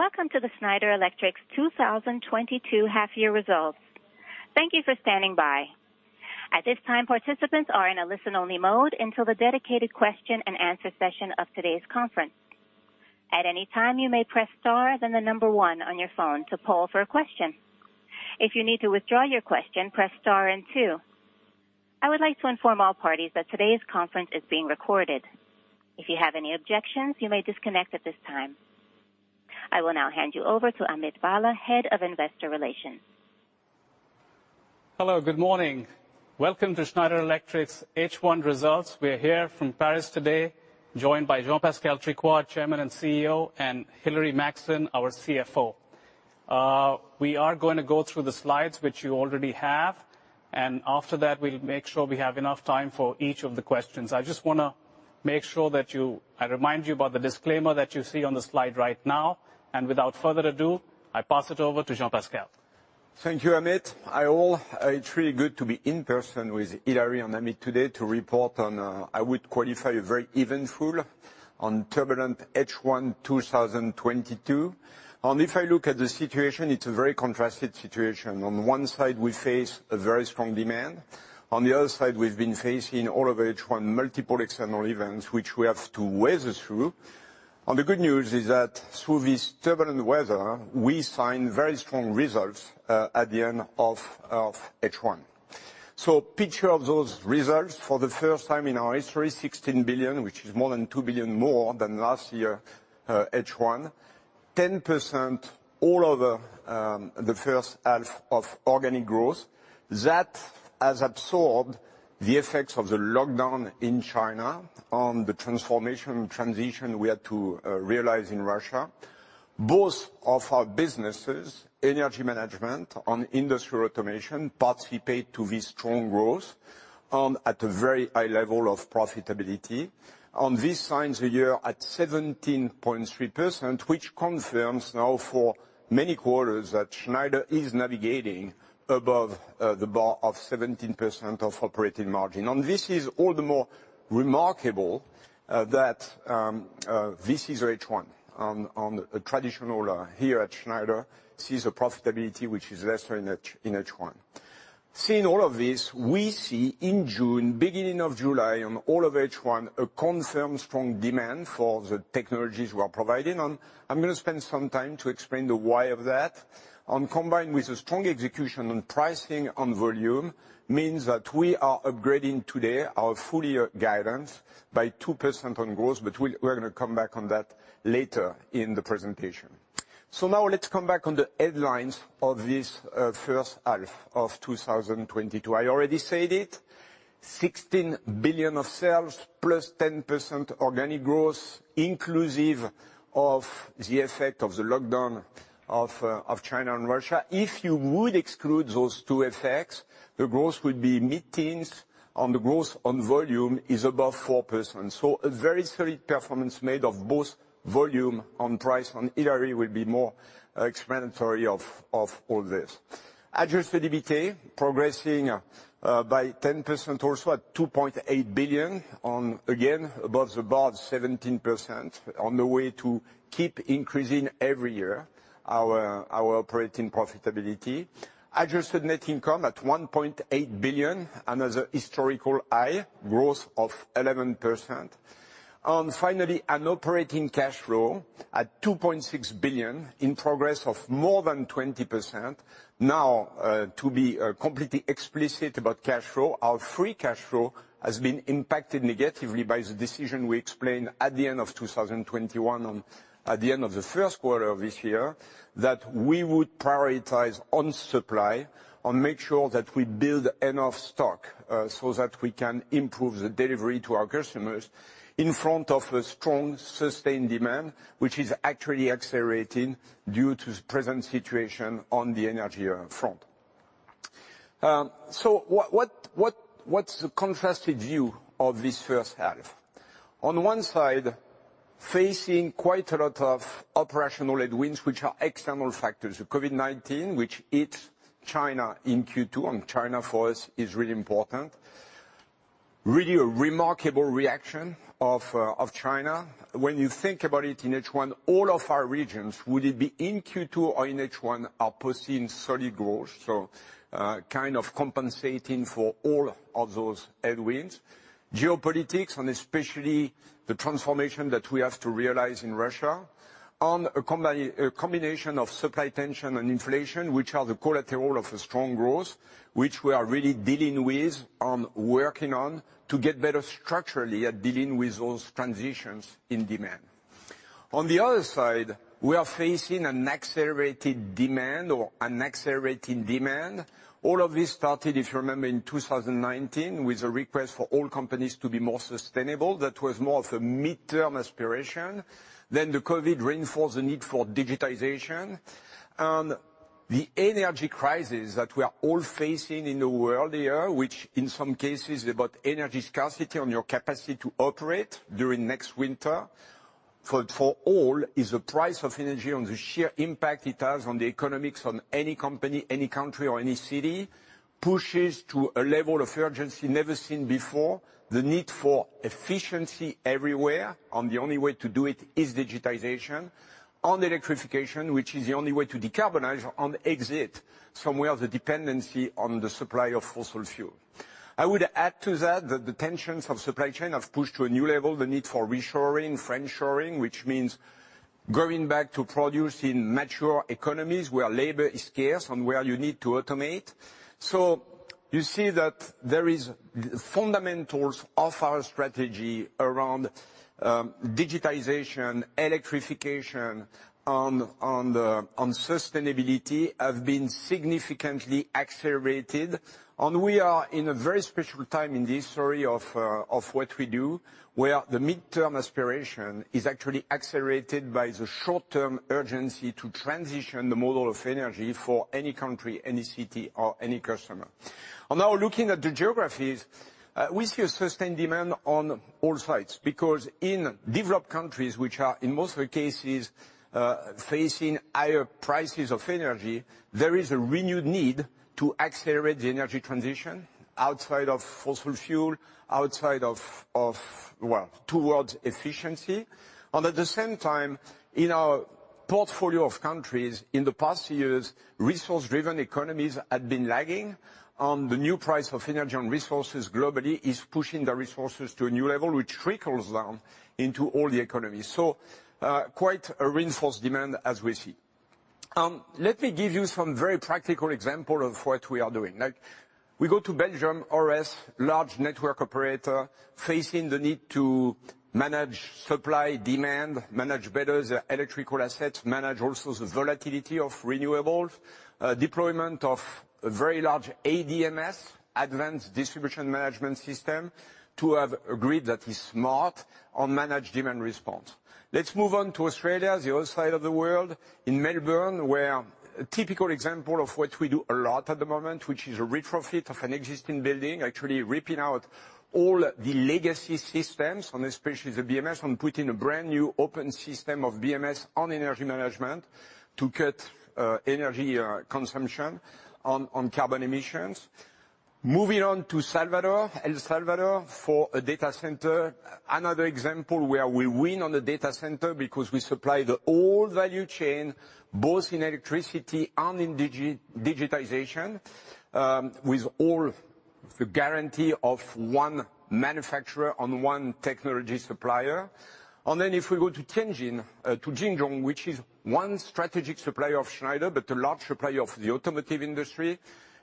Welcome to the Schneider Electric's 2022 half-year results. Thank you for standing by. At this time, participants are in a listen-only mode until the dedicated question-and-answer session of today's conference. At any time, you may press star then the number one on your phone to poll for a question. If you need to withdraw your question, press star and two. I would like to inform all parties that today's conference is being recorded. If you have any objections, you may disconnect at this time. I will now hand you over to Amit Bhalla, Head of Investor Relations. Hello, good morning. Welcome to Schneider Electric's H1 results. We're here from Paris today, joined by Jean-Pascal Tricoire, Chairman and CEO, and Hilary Maxson, our CFO. We are gonna go through the slides, which you already have, and after that, we'll make sure we have enough time for each of the questions. I just wanna make sure that I remind you about the disclaimer that you see on the slide right now. Without further ado, I pass it over to Jean-Pascal. Thank you, Amit. Hi, all. It's really good to be in person with Hilary and Amit today to report on, I would qualify a very eventful and turbulent H1 2022. If I look at the situation, it's a very contrasted situation. On one side, we face a very strong demand. On the other side, we've been facing all of H1 multiple external events which we have to weather through. The good news is that through this turbulent weather, we find very strong results, at the end of H1. Picture of those results, for the first time in our history, 16 billion, which is more than 2 billion more than last year, H1. 10% overall, the first half of organic growth. That has absorbed the effects of the lockdown in China on the transformation transition we had to realize in Russia. Both of our businesses, Energy Management and Industrial Automation, participate to this strong growth at a very high level of profitability. This signs the year at 17.3%, which confirms now for many quarters that Schneider is navigating above the bar of 17% of operating margin. This is all the more remarkable that this is H1. On a traditional year at Schneider sees a profitability which is lesser in H1. Seeing all of this, we see in June, beginning of July on all of H1, a confirmed strong demand for the technologies we are providing. I'm gonna spend some time to explain the why of that. Combined with a strong execution on pricing on volume means that we are upgrading today our full year guidance by 2% on growth, but we're gonna come back on that later in the presentation. Now let's come back on the headlines of this first half of 2022. I already said it, 16 billion of sales +10% organic growth, inclusive of the effect of the lockdown of China and Russia. If you would exclude those two effects, the growth would be mid-teens, and the growth on volume is above 4%. A very solid performance made of both volume and price. Hilary will be more explanatory of all this. Adjusted EBITA progressing by 10% or so, at 2.8 billion on, again, above the bar 17% on the way to keep increasing every year our operating profitability. Adjusted net income at 1.8 billion, another historical high, growth of 11%. Finally, an operating cash flow at 2.6 billion in progress of more than 20%. Now, to be completely explicit about cash flow, our free cash flow has been impacted negatively by the decision we explained at the end of 2021 on, at the end of the first quarter of this year, that we would prioritize on supply and make sure that we build enough stock, so that we can improve the delivery to our customers in front of a strong, sustained demand, which is actually accelerating due to the present situation on the energy front. What's the contrasted view of this first half? On one side, facing quite a lot of operational headwinds, which are external factors. COVID-19, which hit China in Q2, and China for us is really important. Really a remarkable reaction of China. When you think about it, in H1, all of our regions, would it be in Q2 or in H1, are posting solid growth. Kind of compensating for all of those headwinds. Geopolitics and especially the transformation that we have to realize in Russia. A combination of supply tension and inflation, which are the collateral of a strong growth, which we are really dealing with, working on to get better structurally at dealing with those transitions in demand. On the other side, we are facing an accelerated demand or an accelerating demand. All of this started, if you remember, in 2019, with a request for all companies to be more sustainable. That was more of a midterm aspiration. COVID reinforced the need for digitization. The energy crisis that we are all facing in the world here, which in some cases about energy scarcity and your capacity to operate during next winter, for all is the price of energy on the sheer impact it has on the economics on any company, any country, or any city pushes to a level of urgency never seen before. The need for efficiency everywhere, and the only way to do it is digitization. On electrification, which is the only way to decarbonize and exit from where the dependency on the supply of fossil fuel. I would add to that the tensions of supply chain have pushed to a new level the need for reshoring, friendshoring, which means going back to produce in mature economies where labor is scarce and where you need to automate. You see that there is fundamentals of our strategy around digitization, electrification, on the, on sustainability have been significantly accelerated. We are in a very special time in the history of what we do, where the midterm aspiration is actually accelerated by the short-term urgency to transition the model of energy for any country, any city, or any customer. Now looking at the geographies, we see a sustained demand on all sides. Because in developed countries, which are in most of the cases, facing higher prices of energy, there is a renewed need to accelerate the energy transition outside of fossil fuel, outside of, well, towards efficiency. At the same time, in our portfolio of countries in the past years, resource-driven economies had been lagging, and the new price of energy and resources globally is pushing the resources to a new level, which trickles down into all the economies. Quite a reinforced demand as we see. Let me give you some very practical example of what we are doing. Like we go to Belgium, ORES, large network operator facing the need to manage supply-demand, manage better their electrical assets, manage also the volatility of renewables, deployment of a very large ADMS, Advanced Distribution Management System, to have a grid that is smart and manage demand response. Let's move on to Australia, the other side of the world. In Melbourne, where a typical example of what we do a lot at the moment, which is a retrofit of an existing building, actually ripping out all the legacy systems, and especially the BMS, and putting a brand-new open system of BMS and Energy Management to cut energy consumption and carbon emissions. Moving on to Salvador, El Salvador, for a data center. Another example where we win on the data center because we supply the whole value chain, both in electricity and in digitization, with all the guarantee of one manufacturer and one technology supplier. If we go to Tianjin, to Jingdong, which is one strategic supplier of Schneider, but a large supplier of the automotive industry,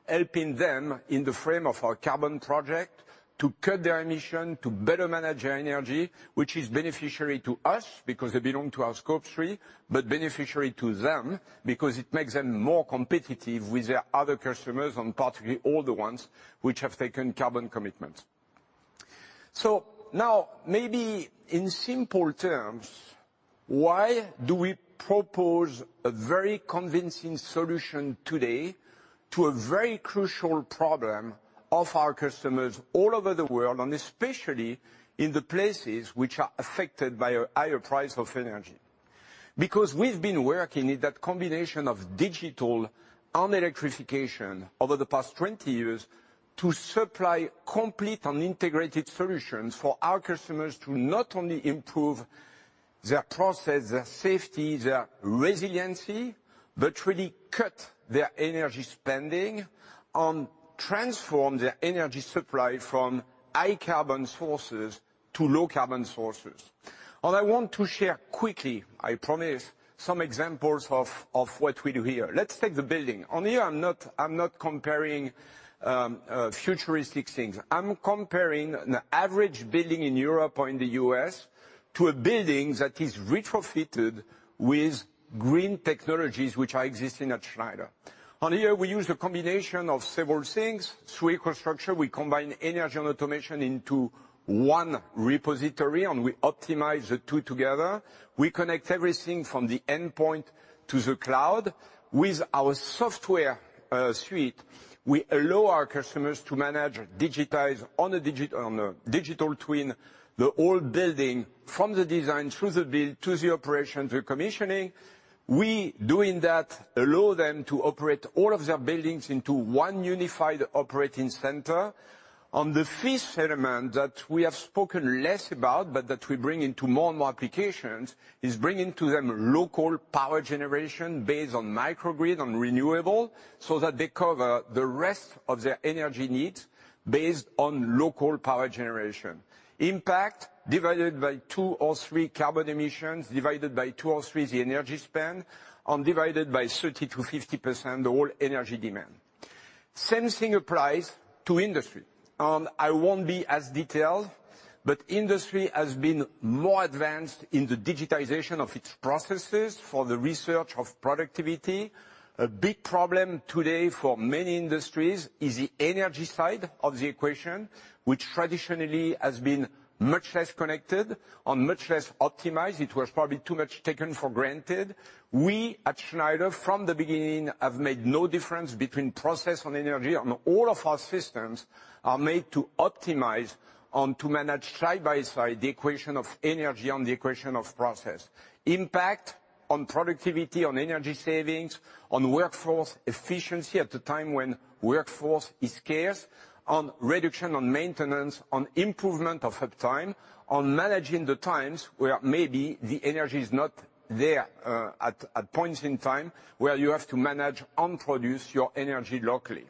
helping them in the framework of our carbon project to cut their emissions, to better manage their energy, which is beneficial to us because they belong to our Scope 3, but beneficial to them because it makes them more competitive with their other customers and particularly all the ones which have taken carbon commitments. Now maybe in simple terms, why do we propose a very convincing solution today to a very crucial problem of our customers all over the world, and especially in the places which are affected by a higher price of energy? Because we've been working in that combination of digital and electrification over the past 20 years to supply complete and integrated solutions for our customers to not only improve their process, their safety, their resiliency, but really cut their energy spending and transform their energy supply from high carbon sources to low carbon sources. I want to share quickly, I promise, some examples of what we do here. Let's take the building. On here, I'm not comparing futuristic things. I'm comparing an average building in Europe or in the U.S. to a building that is retrofitted with green technologies which are existing at Schneider. On here we use a combination of several things. Through EcoStruxure, we combine energy and automation into one repository, and we optimize the two together. We connect everything from the endpoint to the cloud. With our software suite, we allow our customers to manage, digitize on a digital twin, the whole building from the design through the build, to the operations, the commissioning. We, doing that, allow them to operate all of their buildings into one unified operating center. The fifth element that we have spoken less about, but that we bring into more and more applications, is bringing to them local power generation based on microgrid and renewable, so that they cover the rest of their energy needs based on local power generation. Impact, divided by two or three carbon emissions, divided by two or three the energy spend, and divided by 30%-50% the whole energy demand. Same thing applies to industry. I won't be as detailed, but industry has been more advanced in the digitization of its processes for the research of productivity. A big problem today for many industries is the energy side of the equation, which traditionally has been much less connected and much less optimized. It was probably too much taken for granted. We at Schneider, from the beginning, have made no difference between process and energy, and all of our systems are made to optimize and to manage side by side the equation of energy and the equation of process. Impact on productivity, on energy savings, on workforce efficiency at a time when workforce is scarce, on reduction on maintenance, on improvement of uptime, on managing the times where maybe the energy is not there, at points in time where you have to manage and produce your energy locally.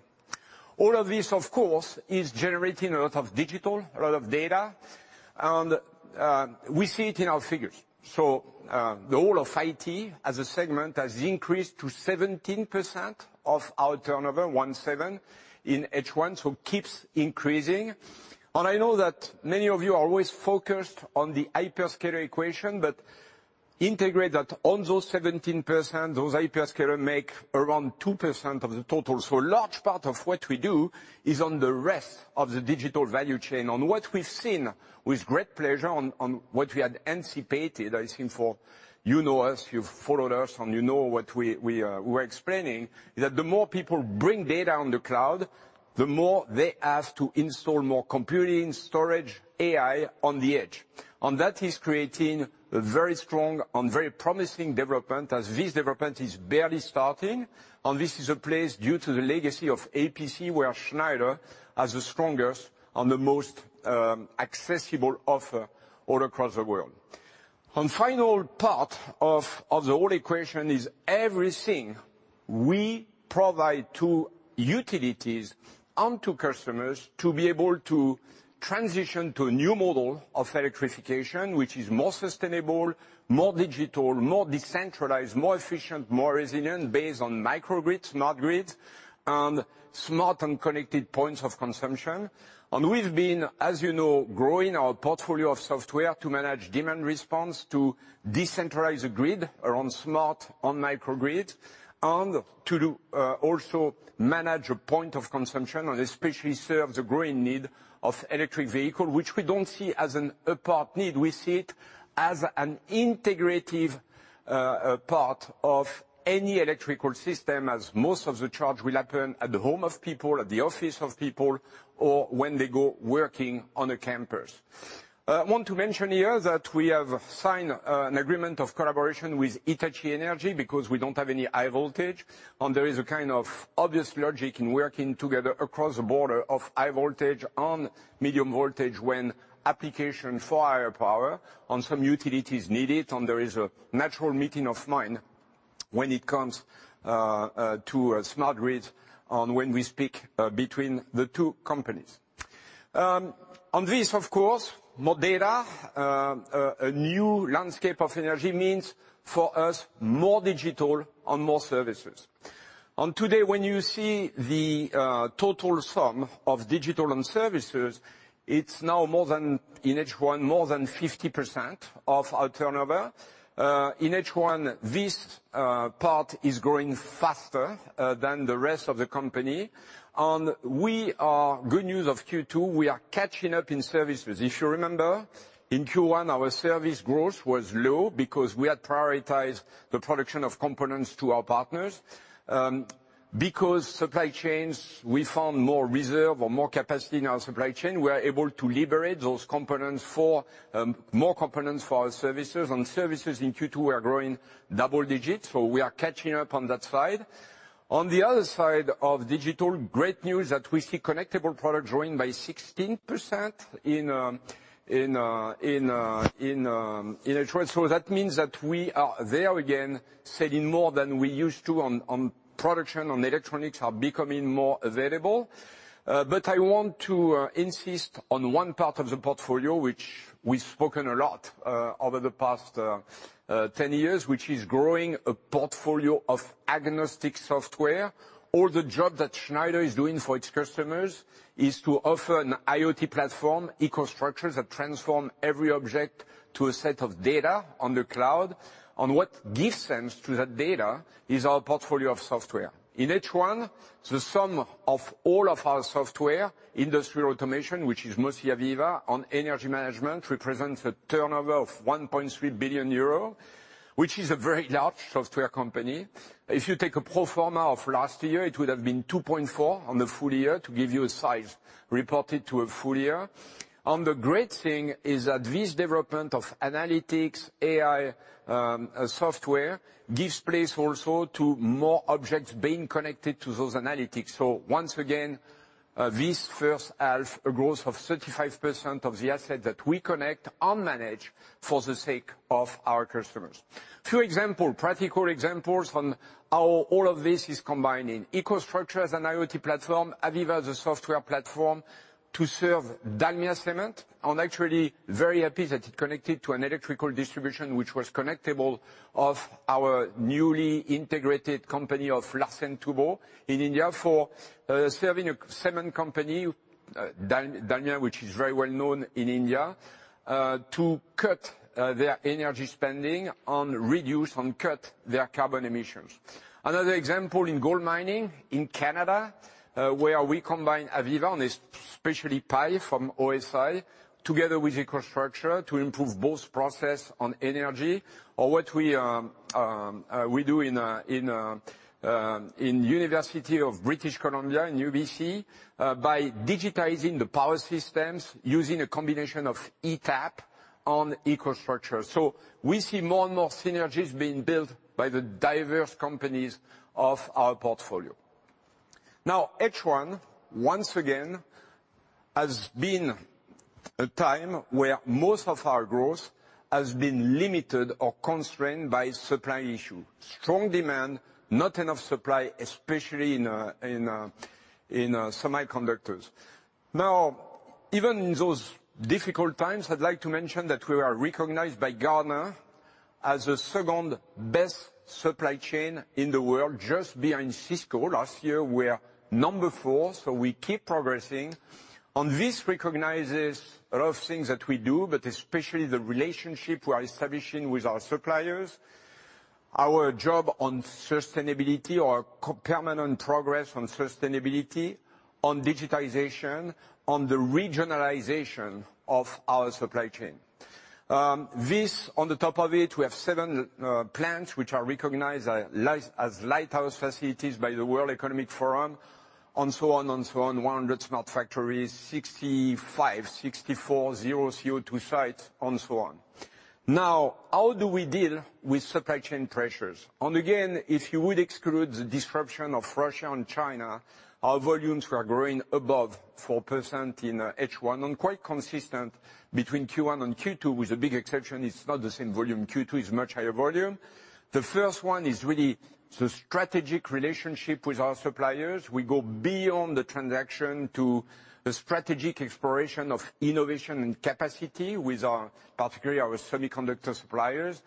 All of this, of course, is generating a lot of digital, a lot of data, and we see it in our figures. The role of IT as a segment has increased to 17% of our turnover in H1, so it keeps increasing. I know that many of you are always focused on the hyperscaler equation, but integrate that on those 17%, those hyperscaler make around 2% of the total. A large part of what we do is on the rest of the digital value chain. What we've seen with great pleasure on what we had anticipated, I think you know us, you've followed us, and you know what we are explaining, is that the more people bring data on the cloud, the more they ask to install more computing storage AI on the edge. That is creating a very strong and very promising development as this development is barely starting, and this is a place due to the legacy of APC where Schneider has the strongest and the most accessible offer all across the world. One final part of the whole equation is everything we provide to utilities and to customers to be able to transition to a new model of electrification, which is more sustainable, more digital, more decentralized, more efficient, more resilient based on microgrids, not grids, and smart and connected points of consumption. We've been, as you know, growing our portfolio of software to manage demand response to decentralize the grid around smart grids and microgrids and to also manage a point of consumption and especially serve the growing need for electric vehicles, which we don't see as a separate need. We see it as an integrative part of any electrical system, as most of the charge will happen at the home of people, at the office of people, or when they go working on the campus. I want to mention here that we have signed an agreement of collaboration with Hitachi Energy because we don't have any high voltage. There is a kind of obvious logic in working together across the border of high voltage and medium voltage when application for higher power and some utility is needed, and there is a natural meeting of minds when it comes to a smart grid and when we speak between the two companies. On this, of course, more data, a new landscape of energy means for us more digital and more services. Today, when you see the total sum of digital and services, it's now more than in H1, more than 50% of our turnover. In H1, this part is growing faster than the rest of the company. We have good news for Q2, we are catching up in services. If you remember, in Q1, our service growth was low because we had prioritized the production of components to our partners. Because supply chains, we found more reserve or more capacity in our supply chain, we are able to liberate those components for more components for our services. Services in Q2 are growing double digits, so we are catching up on that side. On the other side of digital, great news that we see connectable product growing by 16% in H1. That means that we are there again, selling more than we used to on production on electronics are becoming more available. But I want to insist on one part of the portfolio, which we've spoken a lot over the past 10 years, which is growing a portfolio of agnostic software. All the job that Schneider is doing for its customers is to offer an IoT platform, EcoStruxure, that transform every object to a set of data on the cloud. What gives sense to that data is our portfolio of software. In H1, the sum of all of our software, Industrial Automation, which is mostly AVEVA and Energy Management, represents a turnover of 1.3 billion euros, which is a very large software company. If you take a pro forma of last year, it would have been 2.4 on the full year to give you a size reported to a full year. The great thing is that this development of analytics, AI, software gives place also to more objects being connected to those analytics. Once again, this first half growth of 35% of the asset that we connect and manage for the sake of our customers. Two examples, practical examples on how all of this is combining. EcoStruxure as an IoT platform, AVEVA as a software platform to serve Dalmia Cement. I'm actually very happy that it connected to an electrical distribution which was connectable of our newly integrated company of Larsen & Toubro in India for serving a cement company, Dalmia, which is very well known in India, to cut their energy spending and reduce and cut their carbon emissions. Another example in gold mining in Canada, where we combine AVEVA and especially PI from OSI together with EcoStruxure to improve both process and energy or what we do in University of British Columbia (UBC), by digitizing the power systems using a combination of ETAP and EcoStruxure. We see more and more synergies being built by the diverse companies of our portfolio. Now, H1, once again has been a time where most of our growth has been limited or constrained by supply issue. Strong demand, not enough supply, especially in semiconductors. Now, even those difficult times, I'd like to mention that we are recognized by Gartner as the second-best supply chain in the world, just behind Cisco. Last year we were number four, so we keep progressing. This recognizes a lot of things that we do, but especially the relationship we are establishing with our suppliers, our job on sustainability or coherent progress on sustainability, on digitization, on the regionalization of our supply chain. On top of it, we have seven plants which are recognized as lighthouse facilities by the World Economic Forum, and so on, and so on. 100 smart factories, 64 zero-CO2 sites, and so on. Now, how do we deal with supply chain pressures? Again, if you would exclude the disruption of Russia and China, our volumes were growing above 4% in H1, and quite consistent between Q1 and Q2, with a big exception it's not the same volume. Q2 is much higher volume. The first one is really the strategic relationship with our suppliers. We go beyond the transaction to the strategic exploration of innovation and capacity with our, particularly our semiconductor suppliers.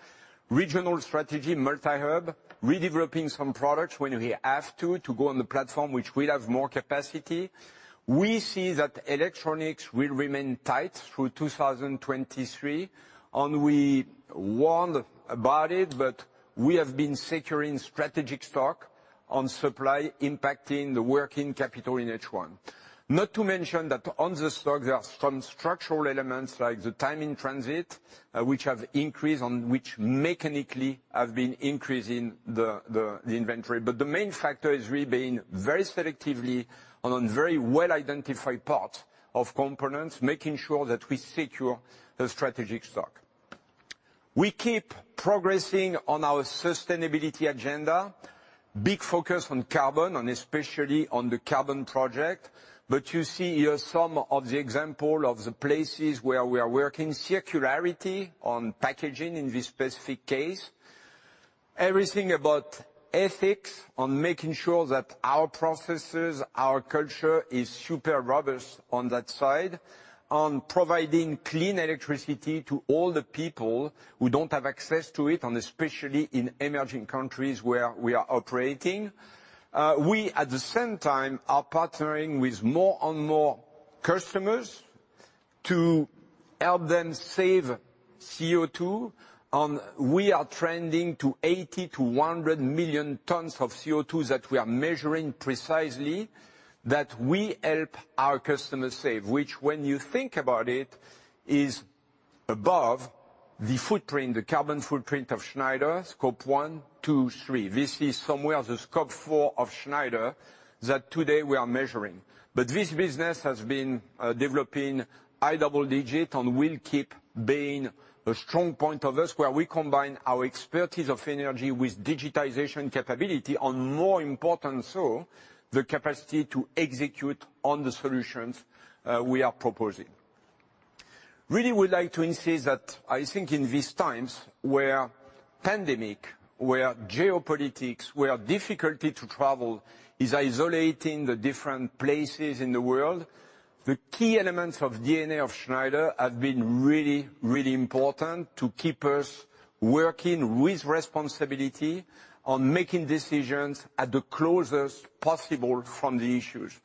Regional strategy, multi-hub, redeveloping some products when we have to go on the platform which will have more capacity. We see that electronics will remain tight through 2023, and we warned about it, but we have been securing strategic stock on supply impacting the working capital in H1. Not to mention that on the stock there are some structural elements like the time in transit, which have increased, and which mechanically have been increasing the inventory. The main factor has really been very selectively and on very well-identified parts of components, making sure that we secure the strategic stock. We keep progressing on our sustainability agenda. Big focus on carbon, and especially on the carbon project. You see here some of the example of the places where we are working. Circularity on packaging in this specific case. Everything about ethics and making sure that our processes, our culture, is super robust on that side. On providing clean electricity to all the people who don't have access to it, and especially in emerging countries where we are operating. We, at the same time, are partnering with more and more customers to help them save CO2, and we are trending to 80-100 million tons of CO2 that we are measuring precisely that we help our customers save, which when you think about it, is above the footprint, the carbon footprint of Schneider, Scope 1, 2, or 3. This is somewhere the Scope 4 of Schneider that today we are measuring. This business has been developing high double digit and will keep being a strong point of us, where we combine our expertise of energy with digitization capability, and more important so, the capacity to execute on the solutions we are proposing. Really would like to insist that I think in these times, where pandemic, where geopolitics, where difficulty to travel is isolating the different places in the world, the key elements of DNA of Schneider have been really important to keep us working with responsibility on making decisions at the closest possible from the issues.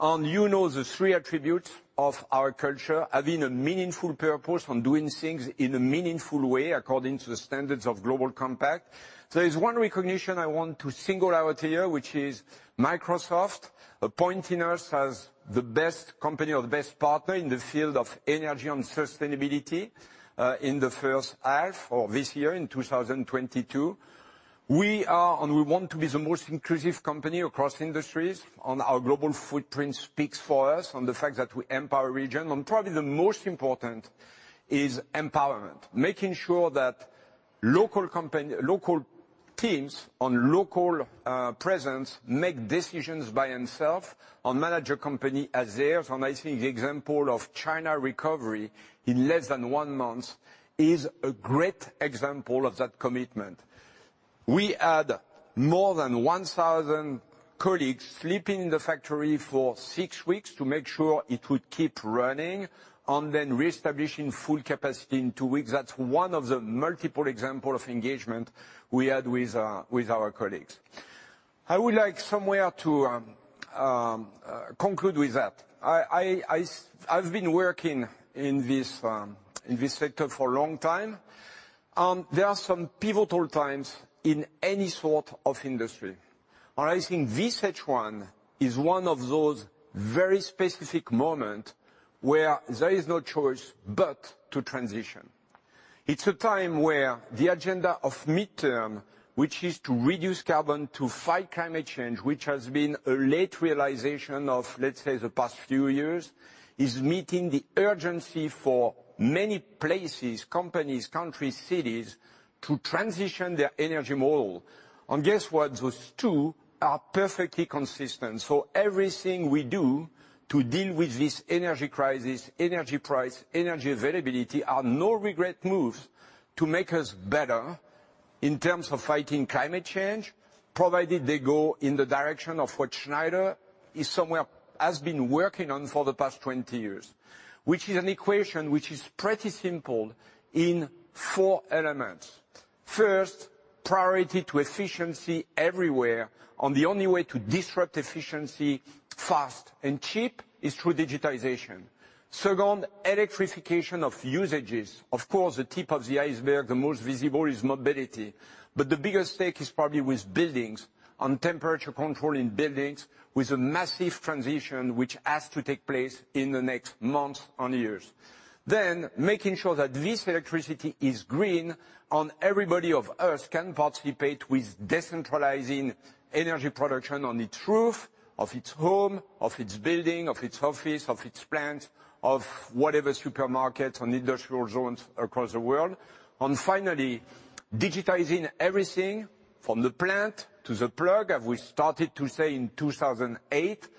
You know the three attributes of our culture, having a meaningful purpose and doing things in a meaningful way according to the standards of Global Compact. There is one recognition I want to single out here, which is Microsoft appointing us as the best company or the best partner in the field of energy and sustainability, in the first half of this year in 2022. We are and we want to be the most inclusive company across industries. Our global footprint speaks for us on the fact that we empower region. Probably the most important is empowerment. Making sure that local teams and local presence make decisions by themselves and manage a company as theirs. I think the example of China recovery in less than one month is a great example of that commitment. We had more than 1,000 colleagues sleeping in the factory for six weeks to make sure it would keep running, and then reestablishing full capacity in two weeks. That's one of the multiple example of engagement we had with our colleagues. I would like somewhere to conclude with that. I've been working in this sector for a long time. There are some pivotal times in any sort of industry, and I think this H1 is one of those very specific moment where there is no choice but to transition. It's a time where the agenda of midterm, which is to reduce carbon, to fight climate change, which has been a late realization of, let's say, the past few years, is meeting the urgency for many places, companies, countries, cities, to transition their energy model. Guess what? Those two are perfectly consistent. Everything we do to deal with this energy crisis, energy price, energy availability, are no regret moves to make us better in terms of fighting climate change, provided they go in the direction of what Schneider has been working on for the past 20 years, which is an equation which is pretty simple in four elements. First, priority to efficiency everywhere and the only way to improve efficiency fast and cheap is through digitization. Second, electrification of usages. Of course, the tip of the iceberg, the most visible is mobility, but the biggest stake is probably in buildings, in temperature control in buildings, with a massive transition which has to take place in the next months and years. Making sure that this electricity is green, so everybody on Earth can participate in decentralizing energy production on the roof of its home, of its building, of its office, of its plant, or whatever, supermarkets and industrial zones across the world. Finally, digitizing everything from the plant to the plug, as we started to say in 2008,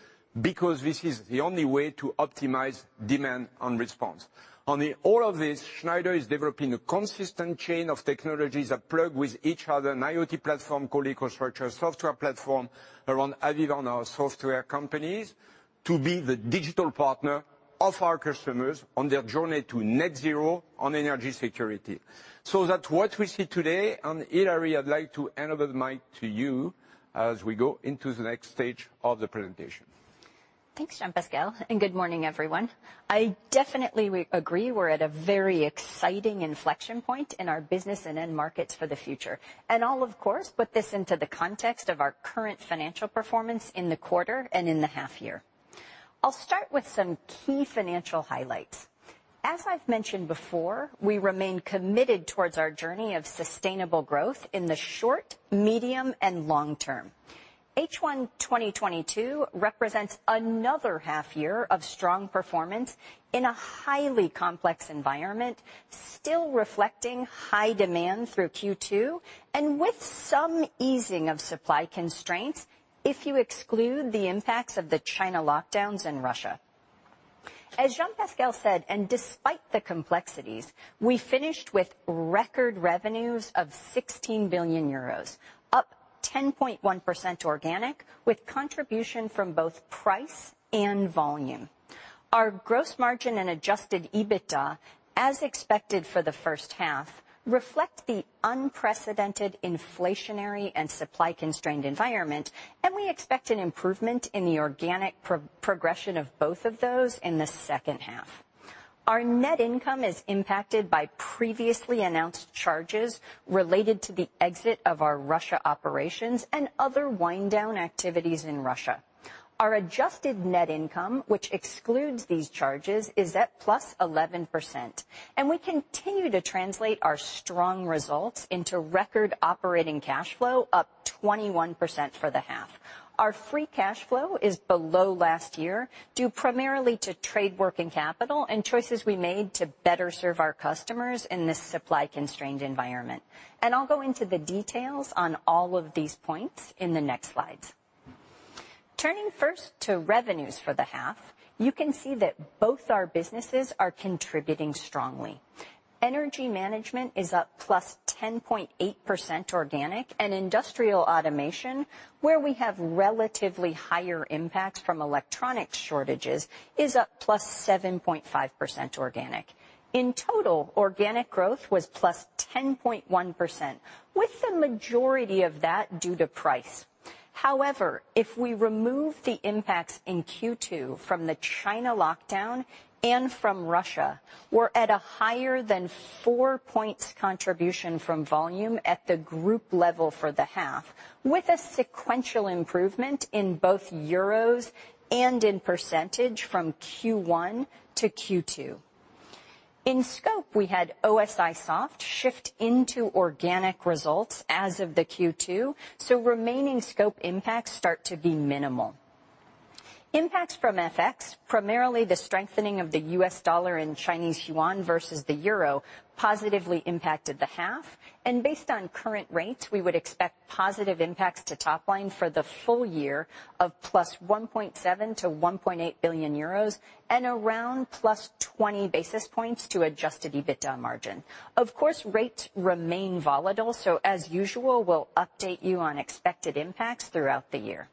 because this is the only way to optimize demand and response. On top of all this, Schneider is developing a consistent chain of technologies that plug with each other, an IoT platform called EcoStruxure, software platform around AVEVA and our software companies to be the digital partner of our customers on their journey to net zero and energy security. That's what we see today, and Hilary, I'd like to hand over the mic to you as we go into the next stage of the presentation. Thanks, Jean-Pascal, and good morning, everyone. I definitely agree we're at a very exciting inflection point in our business and end markets for the future. I'll of course put this into the context of our current financial performance in the quarter and in the half year. I'll start with some key financial highlights. As I've mentioned before, we remain committed towards our journey of sustainable growth in the short, medium, and long term. H1 2022 represents another half year of strong performance in a highly complex environment, still reflecting high demand through Q2, and with some easing of supply constraints if you exclude the impacts of the China lockdowns and Russia. As Jean-Pascal said, and despite the complexities, we finished with record revenues of 16 billion euros, up 10.1% organic, with contribution from both price and volume. Our gross margin and Adjusted EBITA, as expected for the first half, reflect the unprecedented inflationary and supply-constrained environment, and we expect an improvement in the organic pro-progression of both of those in the second half. Our net income is impacted by previously announced charges related to the exit of our Russia operations and other wind down activities in Russia. Our adjusted net income, which excludes these charges, is at +11%, and we continue to translate our strong results into record operating cash flow, up 21% for the half. Our free cash flow is below last year, due primarily to trade working capital and choices we made to better serve our customers in this supply-constrained environment. I'll go into the details on all of these points in the next slides. Turning first to revenues for the half, you can see that both our businesses are contributing strongly. Energy Management is up +10.8% organic, and Industrial Automation, where we have relatively higher impacts from electronic shortages, is up +7.5% organic. In total, organic growth was +10.1%, with the majority of that due to price. However, if we remove the impacts in Q2 from the China lockdown and from Russia, we're at a higher than 4 points contribution from volume at the group level for the half, with a sequential improvement in both euros and in percentage from Q1 to Q2. In scope, we had OSIsoft shift into organic results as of the Q2, so remaining scope impacts start to be minimal. Impacts from FX, primarily the strengthening of the US dollar and Chinese yuan versus the euro, positively impacted the half. Based on current rates, we would expect positive impacts to top line for the full year of +1.7 billion-1.8 billion euros and around +20 basis points to Adjusted EBITDA margin. Of course, rates remain volatile, so as usual, we'll update you on expected impacts throughout the year.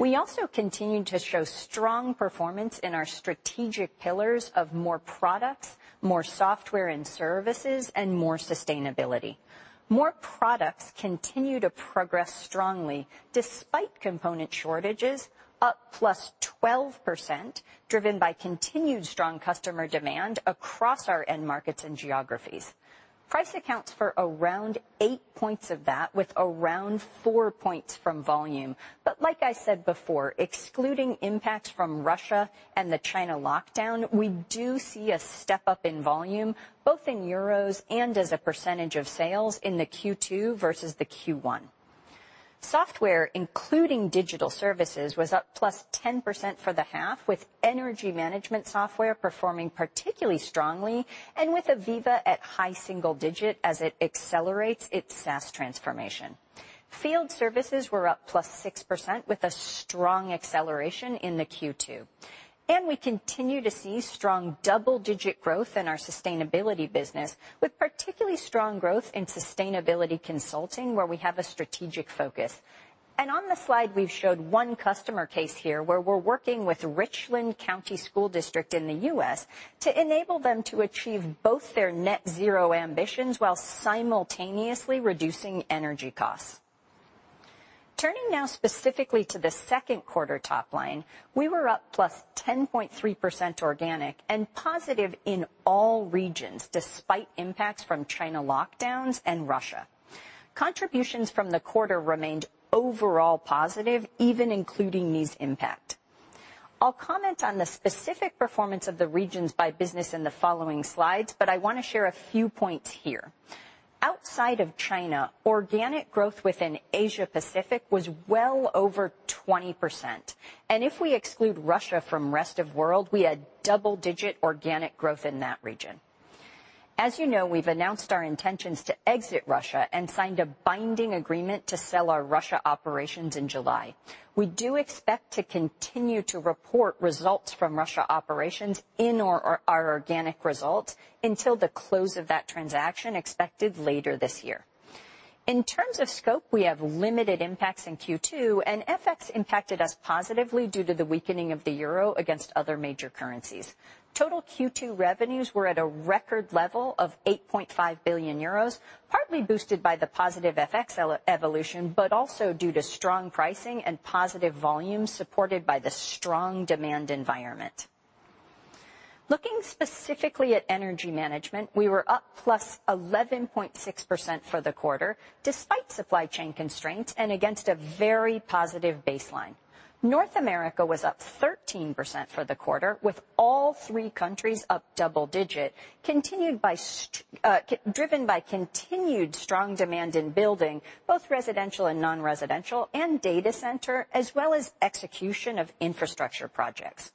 We also continue to show strong performance in our strategic pillars of more products, more software and services, and more sustainability. More products continue to progress strongly despite component shortages, up +12%, driven by continued strong customer demand across our end markets and geographies. Price accounts for around 8 points of that with around 4 points from volume. Like I said before, excluding impacts from Russia and the China lockdown, we do see a step-up in volume, both in euros and as a percentage of sales in the Q2 versus the Q1. Software, including digital services, was up +10% for the half, with Energy Management software performing particularly strongly and with AVEVA at high single digit as it accelerates its SaaS transformation. Field services were up +6% with a strong acceleration in the Q2. We continue to see strong double-digit growth in our sustainability business, with particularly strong growth in sustainability consulting, where we have a strategic focus. On the slide we've showed one customer case here where we're working with Richland County School District in the U.S. to enable them to achieve both their net zero ambitions while simultaneously reducing energy costs. Turning now specifically to the second quarter top line, we were up +10.3% organic and positive in all regions, despite impacts from China lockdowns and Russia. Contributions from the quarter remained overall positive, even including these impacts. I'll comment on the specific performance of the regions by business in the following slides, but I wanna share a few points here. Outside of China, organic growth within Asia-Pacific was well over 20%, and if we exclude Russia from rest of world, we had double-digit organic growth in that region. As you know, we've announced our intentions to exit Russia and signed a binding agreement to sell our Russia operations in July. We do expect to continue to report results from Russia operations in our organic results until the close of that transaction expected later this year. In terms of scope, we have limited impacts in Q2, and FX impacted us positively due to the weakening of the euro against other major currencies. Total Q2 revenues were at a record level of 8.5 billion euros, partly boosted by the positive FX evolution, but also due to strong pricing and positive volumes supported by the strong demand environment. Looking specifically at Energy Management, we were up +11.6% for the quarter, despite supply chain constraints and against a very positive baseline. North America was up 13% for the quarter, with all three countries up double digit, driven by continued strong demand in building, both residential and non-residential and data center, as well as execution of infrastructure projects.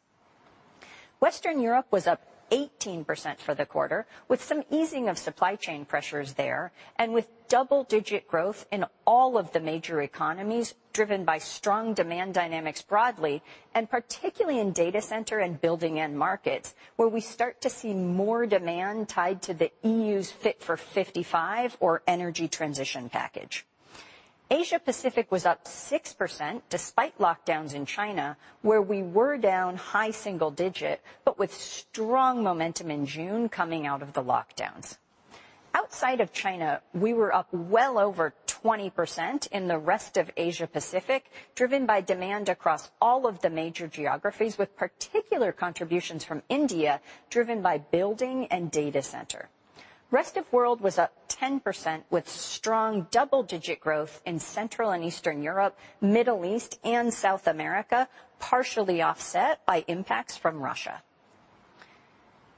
Western Europe was up 18% for the quarter, with some easing of supply chain pressures there, and with double-digit growth in all of the major economies, driven by strong demand dynamics broadly, and particularly in data center and building end markets, where we start to see more demand tied to the EU's Fit for 55 or energy transition package. Asia-Pacific was up 6% despite lockdowns in China, where we were down high single-digit, but with strong momentum in June coming out of the lockdowns. Outside of China, we were up well over 20% in the rest of Asia-Pacific, driven by demand across all of the major geographies, with particular contributions from India, driven by building and data center. Rest of World was up 10% with strong double-digit growth in Central and Eastern Europe, Middle East, and South America, partially offset by impacts from Russia.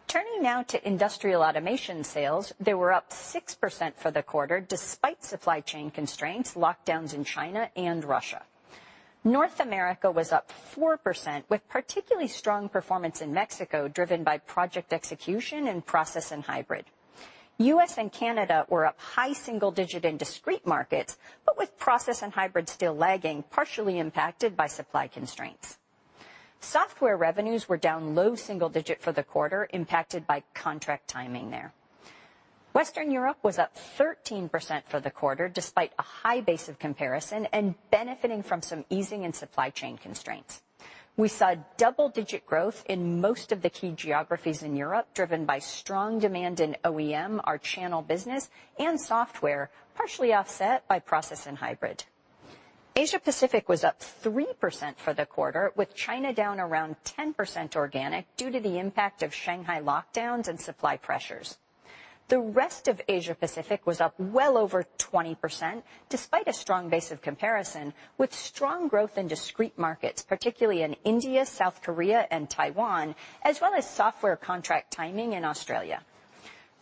Turning now to Industrial Automation sales, they were up 6% for the quarter, despite supply chain constraints, lockdowns in China and Russia. North America was up 4% with particularly strong performance in Mexico, driven by project execution and process and hybrid. U.S. and Canada were up high single-digit in discrete markets, but with process and hybrid still lagging, partially impacted by supply constraints. Software revenues were down low single-digit for the quarter, impacted by contract timing there. Western Europe was up 13% for the quarter, despite a high base of comparison and benefiting from some easing in supply chain constraints. We saw double-digit growth in most of the key geographies in Europe, driven by strong demand in OEM, our channel business, and software, partially offset by process and hybrid. Asia-Pacific was up 3% for the quarter, with China down around 10% organic due to the impact of Shanghai lockdowns and supply pressures. The rest of Asia-Pacific was up well over 20% despite a strong base of comparison with strong growth in discrete markets, particularly in India, South Korea, and Taiwan, as well as software contract timing in Australia.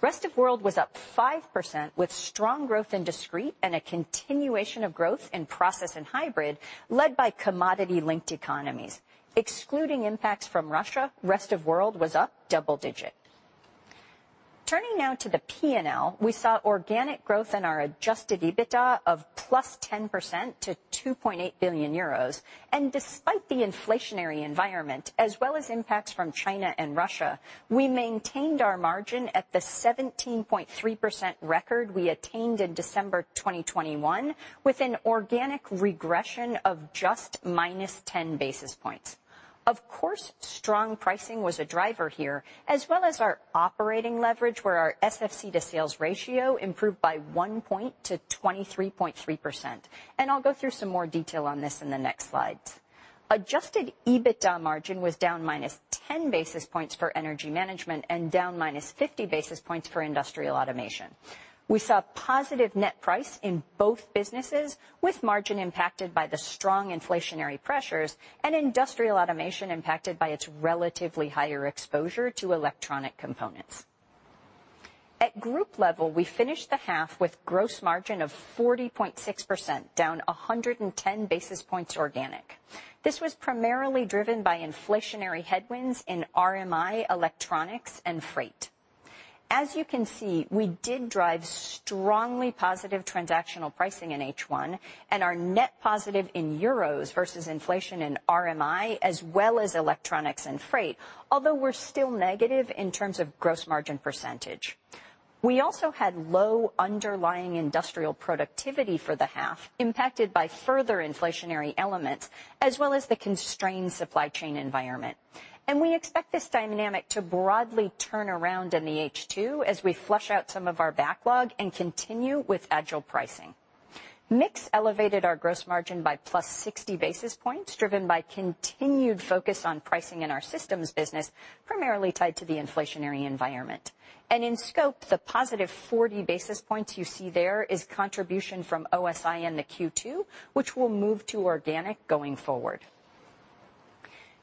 Rest of World was up 5% with strong growth in discrete and a continuation of growth in process and hybrid, led by commodity-linked economies. Excluding impacts from Russia, Rest of World was up double-digit. Turning now to the P&L, we saw organic growth in our Adjusted EBITDA of +10% to 2.8 billion euros. Despite the inflationary environment as well as impacts from China and Russia, we maintained our margin at the 17.3% record we attained in December 2021, with an organic regression of just -10 basis points. Of course, strong pricing was a driver here, as well as our operating leverage, where our SFC to sales ratio improved by 1 point to 23.3%. I'll go through some more detail on this in the next slides. Adjusted EBITDA margin was down -10 basis points for Energy Management and down -50 basis points for Industrial Automation. We saw positive net price in both businesses, with margin impacted by the strong inflationary pressures and Industrial Automation impacted by its relatively higher exposure to electronic components. At group level, we finished the half with gross margin of 40.6%, down 110 basis points organic. This was primarily driven by inflationary headwinds in RMI, electronics, and freight. As you can see, we did drive strongly positive transactional pricing in H1, and are net positive in euros versus inflation in RMI, as well as electronics and freight, although we're still negative in terms of gross margin percentage. We also had low underlying industrial productivity for the half, impacted by further inflationary elements, as well as the constrained supply chain environment. We expect this dynamic to broadly turn around in the H2 as we flush out some of our backlog and continue with agile pricing. Mix elevated our gross margin by plus 60 basis points, driven by continued focus on pricing in our systems business, primarily tied to the inflationary environment. In scope, the positive 40 basis points you see there is contribution from OSIsoft to Q2, which will move to organic going forward.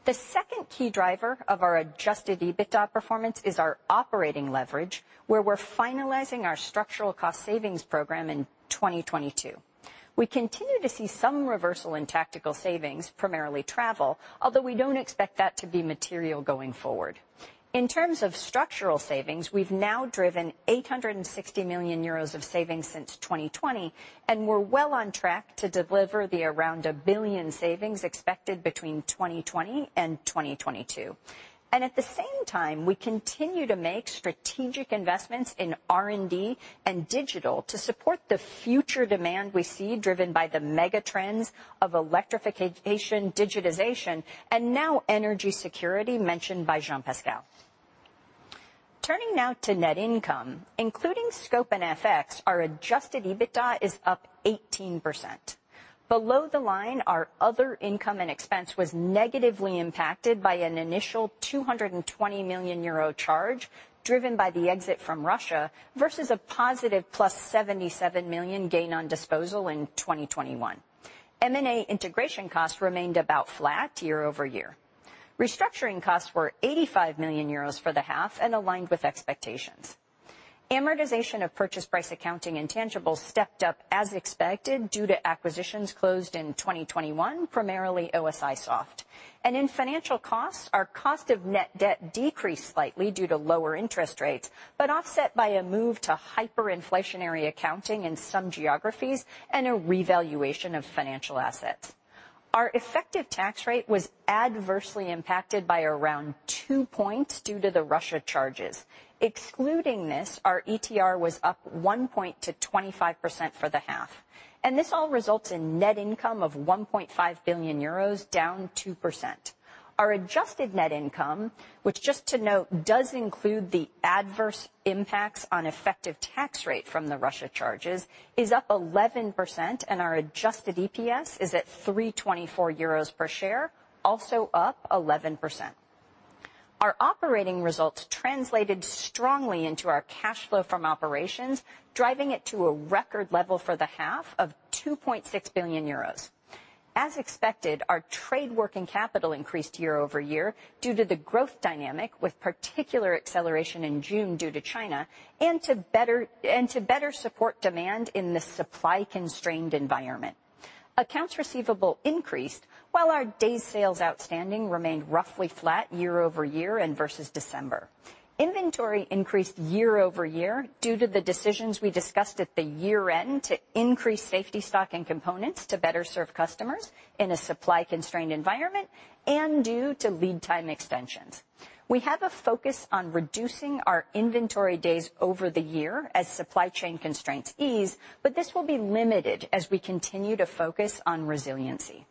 The second key driver of our Adjusted EBITDA performance is our operating leverage, where we're finalizing our structural cost savings program in 2022. We continue to see some reversal in tactical savings, primarily travel, although we don't expect that to be material going forward. In terms of structural savings, we've now driven 860 million euros of savings since 2020, and we're well on track to deliver around 1 billion savings expected between 2020 and 2022. At the same time, we continue to make strategic investments in R&D and digital to support the future demand we see driven by the mega trends of electrification, digitization, and now energy security mentioned by Jean-Pascal. Turning now to net income, including scope and FX, our Adjusted EBITDA is up 18%. Below the line, our other income and expense was negatively impacted by an initial 220 million euro charge driven by the exit from Russia versus a +77 million gain on disposal in 2021. M&A integration costs remained about flat year over year. Restructuring costs were 85 million euros for the half and aligned with expectations. Amortization of purchase price accounting intangibles stepped up as expected due to acquisitions closed in 2021, primarily OSIsoft. In financial costs, our cost of net debt decreased slightly due to lower interest rates, but offset by a move to hyperinflationary accounting in some geographies and a revaluation of financial assets. Our effective tax rate was adversely impacted by around 2 points due to the Russia charges. Excluding this, our ETR was up 1 point to 25% for the half. This all results in net income of 1.5 billion euros, down 2%. Our adjusted net income, which just to note, does include the adverse impacts on effective tax rate from the Russia charges, is up 11%, and our adjusted EPS is at 3.24 euros per share, also up 11%. Our operating results translated strongly into our cash flow from operations, driving it to a record level for the half of 2.6 billion euros. As expected, our trade working capital increased year-over-year due to the growth dynamic, with particular acceleration in June due to China, and to better support demand in the supply-constrained environment. Accounts receivable increased while our days sales outstanding remained roughly flat year-over-year and versus December. Inventory increased year-over-year due to the decisions we discussed at the year end to increase safety stock and components to better serve customers in a supply-constrained environment and due to lead time extensions. We have a focus on reducing our inventory days over the year as supply chain constraints ease, but this will be limited as we continue to focus on resiliency.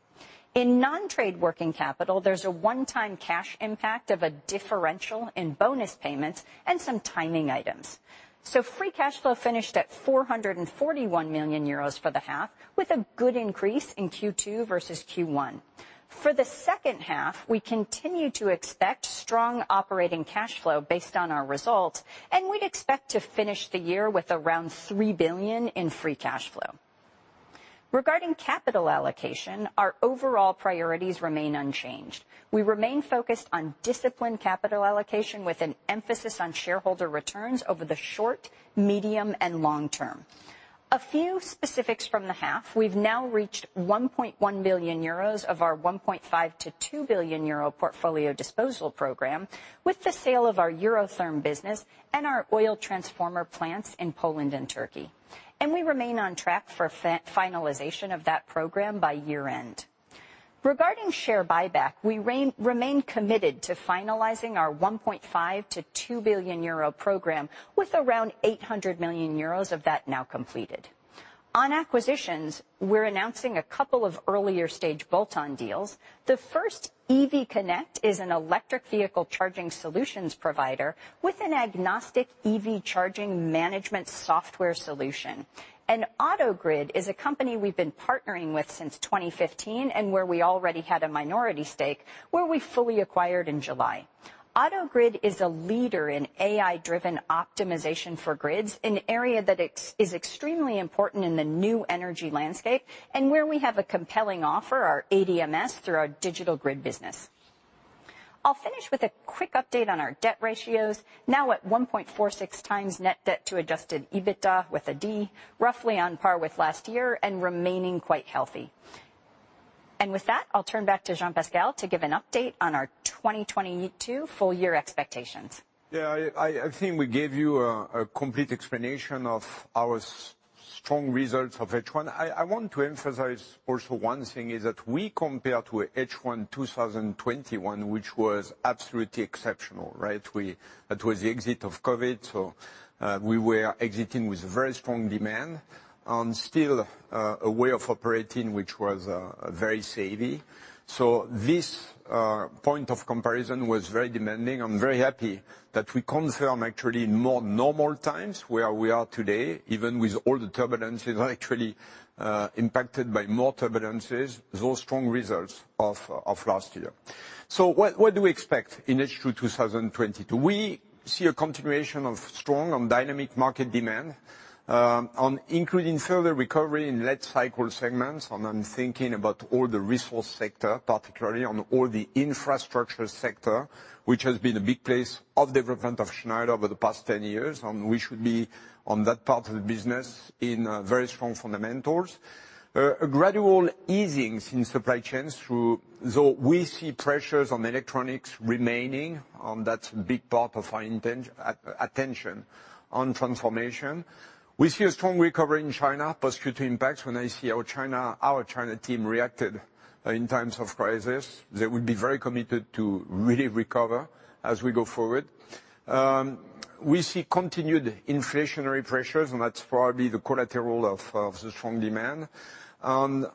In non-trade working capital, there's a one-time cash impact of a differential in bonus payments and some timing items. Free cash flow finished at 441 million euros for the half, with a good increase in Q2 versus Q1. For the second half, we continue to expect strong operating cash flow based on our results, and we expect to finish the year with around 3 billion in free cash flow. Regarding capital allocation, our overall priorities remain unchanged. We remain focused on disciplined capital allocation with an emphasis on shareholder returns over the short, medium, and long term. A few specifics from the half, we've now reached 1.1 billion euros of our 1.5 billion-2 billion euro portfolio disposal program with the sale of our Eurotherm business and our oil transformer plants in Poland and Turkey. We remain on track for finalization of that program by year end. Regarding share buyback, we remain committed to finalizing our 1.5 billion-2 billion euro program with around 800 million euros of that now completed. On acquisitions, we're announcing a couple of earlier stage bolt-on deals. The first EV Connect, is an electric vehicle charging solutions provider with an agnostic EV charging management software solution. AutoGrid is a company we've been partnering with since 2015 and where we already had a minority stake, where we fully acquired in July. AutoGrid is a leader in AI-driven optimization for grids, an area that is extremely important in the new energy landscape, and where we have a compelling offer, our ADMS, through our digital grid business. I'll finish with a quick update on our debt ratios, now at 1.46x net debt to Adjusted EBITDA, roughly on par with last year and remaining quite healthy. With that, I'll turn back to Jean-Pascal to give an update on our 2022 full-year expectations. I think we gave you a complete explanation of our strong results of H1. I want to emphasize also one thing is that we compare to H1 2021, which was absolutely exceptional, right? It was the exit of COVID, so we were exiting with very strong demand and still a way of operating, which was very savvy. This point of comparison was very demanding. I'm very happy that we confirm actually more normal times where we are today, even with all the turbulences, actually impacted by more turbulences those strong results of last year. What do we expect in H2 2022? We see a continuation of strong and dynamic market demand, including further recovery in late cycle segments. I'm thinking about all the resource sector, particularly on all the infrastructure sector, which has been a big place of development of Schneider over the past 10 years. We should be on that part of the business in very strong fundamentals. A gradual easing in supply chains. Though we see pressures on electronics remaining, that's a big part of our attention on transformation. We see a strong recovery in China, post-Q2 impacts when I see our China team reacted in times of crisis. They will be very committed to really recover as we go forward. We see continued inflationary pressures, and that's probably the collateral of the strong demand. On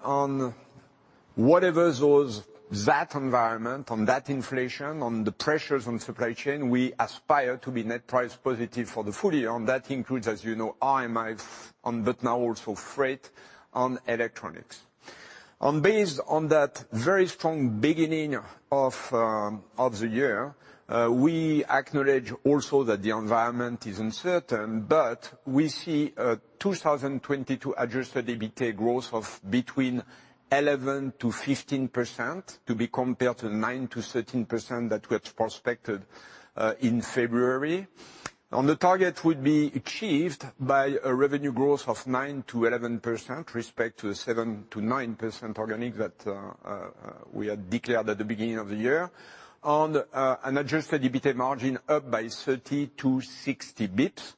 that environment, on that inflation, on the pressures on supply chain, we aspire to be net price positive for the full year. That includes, as you know, RMIs, but now also freight on electronics. Based on that very strong beginning of the year, we acknowledge also that the environment is uncertain, but we see a 2022 Adjusted EBITA growth of between 11%-15% to be compared to 9%-13% that was projected in February. The target would be achieved by a revenue growth of 9%-11% with respect to the 7%-9% organic that we had declared at the beginning of the year. An Adjusted EBITA margin up by 30 basis points-60 basis points,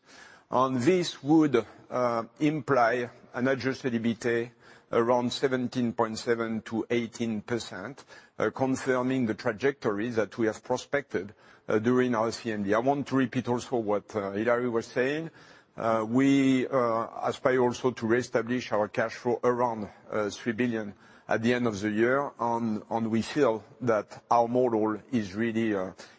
and this would imply an Adjusted EBITA around 17.7%-18%, confirming the trajectory that we have projected during our CMD. I want to repeat also what Hilary was saying. We aspire also to reestablish our cash flow around 3 billion at the end of the year, and we feel that our model is really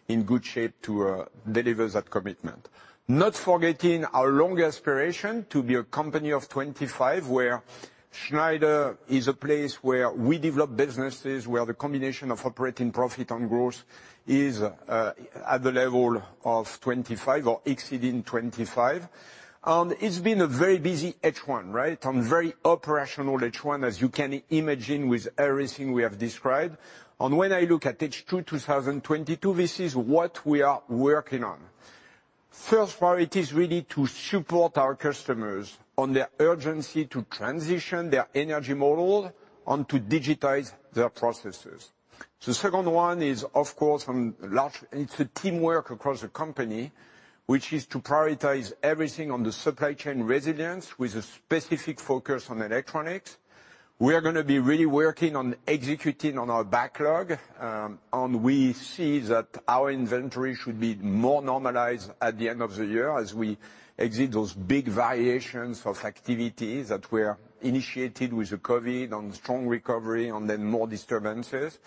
in good shape to deliver that commitment. Not forgetting our long aspiration to be a company of 25, where Schneider is a place where we develop businesses, where the combination of operating profit on growth is at the level of 25% or exceeding 25%. It's been a very busy H1, right? Very operational H1, as you can imagine, with everything we have described. When I look at H2 2022, this is what we are working on. First priority is really to support our customers on their urgency to transition their energy model and to digitize their processes. The second one is, of course, it's a teamwork across the company, which is to prioritize everything on the supply chain resilience with a specific focus on electronics. We are gonna be really working on executing on our backlog, and we see that our inventory should be more normalized at the end of the year as we exit those big variations of activities that were initiated with the COVID, on strong recovery, and then more disturbances.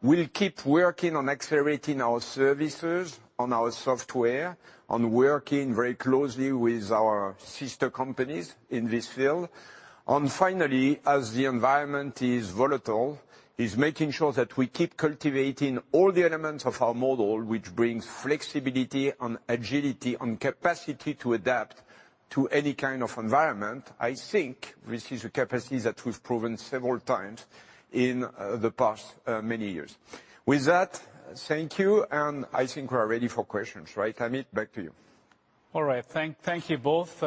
We'll keep working on accelerating our services, on our software, on working very closely with our sister companies in this field. Finally, as the environment is volatile, is making sure that we keep cultivating all the elements of our model, which brings flexibility and agility and capacity to adapt to any kind of environment. I think this is a capacity that we've proven several times in the past many years. With that, thank you, and I think we are ready for questions. Right, Amit? Back to you. All right. Thank you both.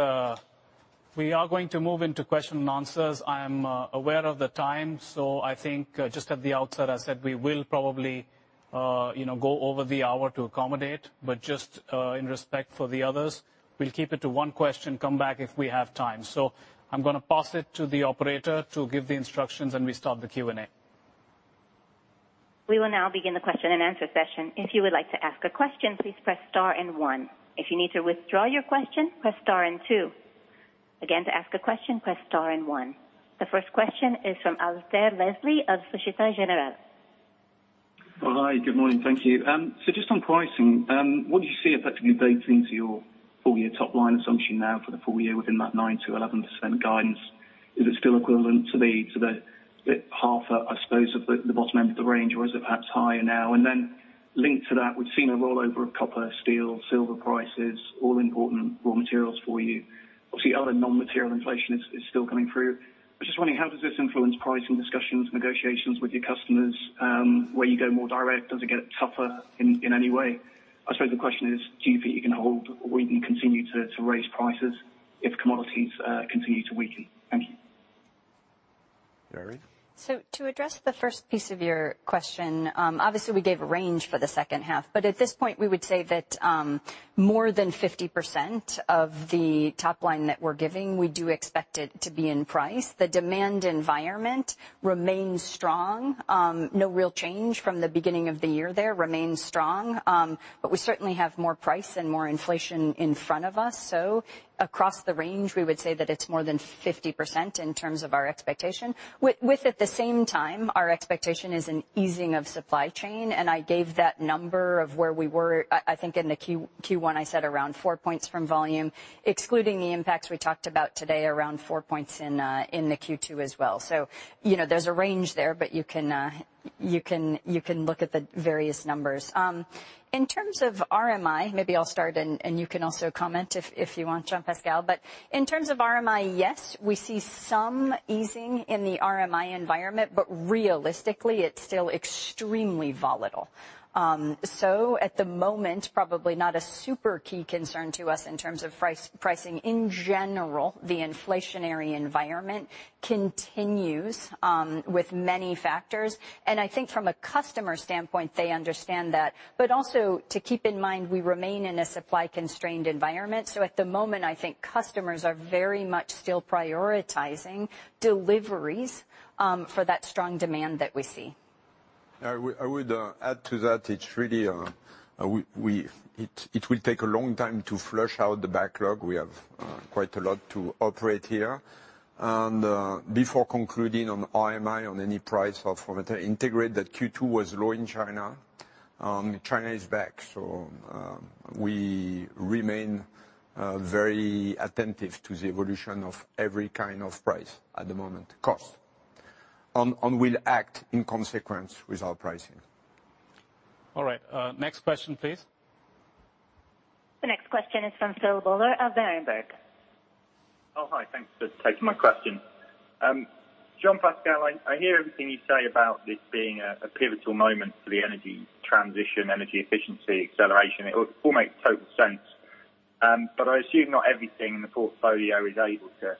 We are going to move into question and answers. I am aware of the time, so I think just at the outset, as said, we will probably, you know, go over the hour to accommodate. Just in respect for the others, we'll keep it to one question, come back if we have time. I'm gonna pass it to the operator to give the instructions and we start the Q&A. We will now begin the question-and-answer session. If you would like to ask a question, please press star and one. If you need to withdraw your question, press star and two. Again, to ask a question, press star and one. The first question is from Alasdair Leslie of Societe Generale. Hi. Good morning. Thank you. Just on pricing, what do you see effectively baking into your full year top line assumption now for the full year within that 9%-11% guidance? Is it still equivalent to about half, I suppose, of the bottom end of the range, or is it perhaps higher now? We've seen a rollover of copper, steel, silver prices, all important raw materials for you. Obviously, other non-material inflation is still coming through. I'm just wondering how does this influence pricing discussions, negotiations with your customers, where you go more direct? Does it get tougher in any way? The question is do you think you can hold or you can continue to raise prices if commodities continue to weaken? Thank you. Hilary? To address the first piece of your question, obviously we gave a range for the second half, but at this point, we would say that, more than 50% of the top line that we're giving, we do expect it to be in price. The demand environment remains strong. No real change from the beginning of the year there. Remains strong. We certainly have more price and more inflation in front of us. Across the range, we would say that it's more than 50% in terms of our expectation. With at the same time, our expectation is an easing of supply chain, and I gave that number of where we were. I think in the Q1, I said around 4 points from volume, excluding the impacts we talked about today, around 4 points in the Q2 as well. You know, there's a range there, but you can look at the various numbers. In terms of RMI, maybe I'll start and you can also comment if you want, Jean-Pascal. In terms of RMI, yes, we see some easing in the RMI environment, but realistically it's still extremely volatile. At the moment, probably not a super key concern to us in terms of pricing. In general, the inflationary environment continues with many factors, and I think from a customer standpoint, they understand that. Also to keep in mind, we remain in a supply constrained environment. At the moment, I think customers are very much still prioritizing deliveries, for that strong demand that we see. I would add to that. It's really we will take a long time to flush out the backlog. We have quite a lot to operate here. Before concluding on RMIs, on any price increases, Q2 was low in China. China is back. We remain very attentive to the evolution of every kind of price at the moment, costs. We'll act in consequence with our pricing. All right. Next question, please. The next question is from Phil Buller of Berenberg. Oh, hi. Thanks for taking my question. Jean-Pascal, I hear everything you say about this being a pivotal moment for the energy transition, energy efficiency, acceleration. It all makes total sense. But I assume not everything in the portfolio is able to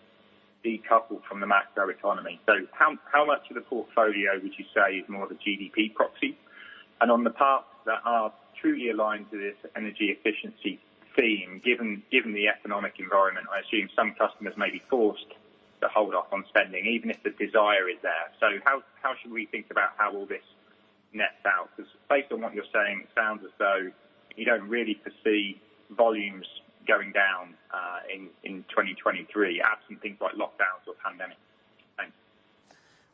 decouple from the macro economy. So how much of the portfolio would you say is more of a GDP proxy? And on the parts that are truly aligned to this energy efficiency theme, given the economic environment, I assume some customers may be forced to hold off on spending even if the desire is there. So how should we think about how all this nets out? 'Cause based on what you're saying, it sounds as though you don't really foresee volumes going down in 2023, absent things like lockdowns or pandemic. Thanks.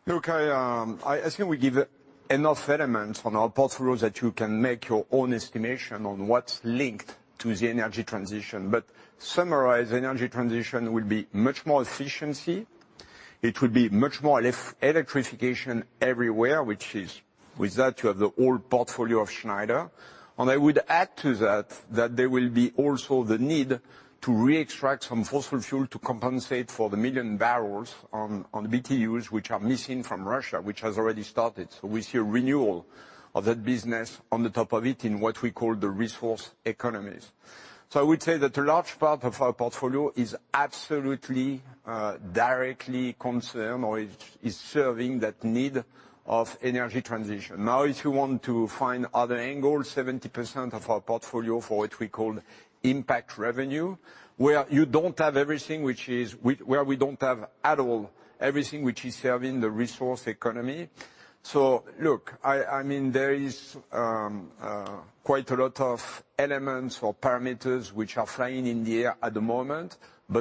Look, I assume we give enough elements on our portfolio that you can make your own estimation on what's linked to the energy transition. Summarize, energy transition will be much more efficiency. It will be much more electrification everywhere, which is with that, you have the old portfolio of Schneider. I would add to that there will be also the need to re-extract some fossil fuel to compensate for the 1,000,000 bbls on BTUs, which are missing from Russia, which has already started. We see a renewal of that business on the top of it, in what we call the resource economies. I would say that a large part of our portfolio is absolutely directly concerned or is serving that need of energy transition. Now, if you want to find other angles, 70% of our portfolio for what we call impact revenue, where you don't have everything which is serving the resource economy. Look, I mean, there is quite a lot of elements or parameters which are flying in the air at the moment.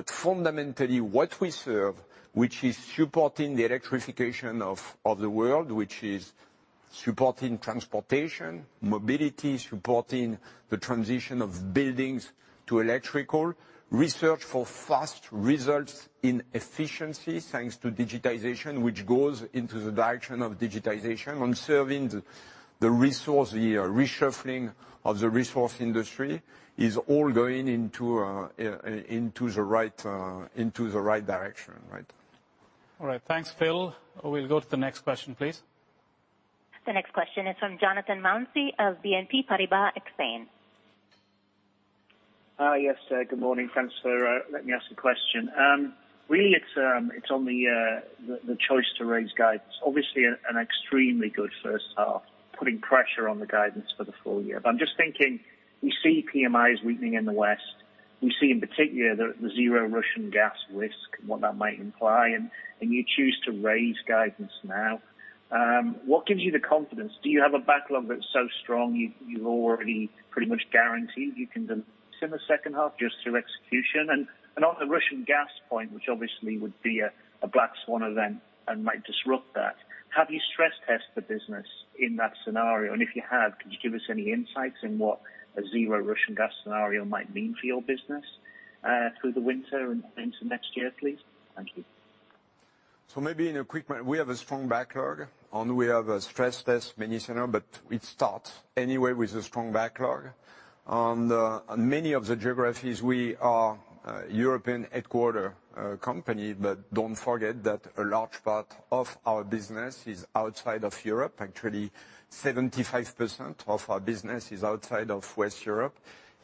Fundamentally, what we serve, which is supporting the electrification of the world, which is supporting transportation, mobility, supporting the transition of buildings to electrical, research for fast results in efficiency, thanks to digitization, which goes into the direction of digitization on serving the reshuffling of the resource industry, is all going into the right direction, right? All right. Thanks, Phil. We'll go to the next question, please. The next question is from Jonathan Mounsey of BNP Paribas Exane. Good morning. Thanks for letting me ask a question. It's on the choice to raise guidance. Obviously an extremely good first half, putting pressure on the guidance for the full year. I'm just thinking we see PMIs weakening in the West. We see in particular the zero Russian gas risk and what that might imply, and you choose to raise guidance now. What gives you the confidence? Do you have a backlog that's so strong you're already pretty much guaranteed you can deliver in the second half just through execution? On the Russian gas point, which obviously would be a black swan event and might disrupt that, have you stress-tested the business in that scenario? If you have, could you give us any insights in what a zero Russian gas scenario might mean for your business, through the winter and into next year, please? Thank you. Maybe in a quick manner, we have a strong backlog, and we have a stress-tested many scenarios, but it starts anyway with a strong backlog. On many of the geographies, we are European-headquartered company, but don't forget that a large part of our business is outside of Europe. Actually, 75% of our business is outside of Western Europe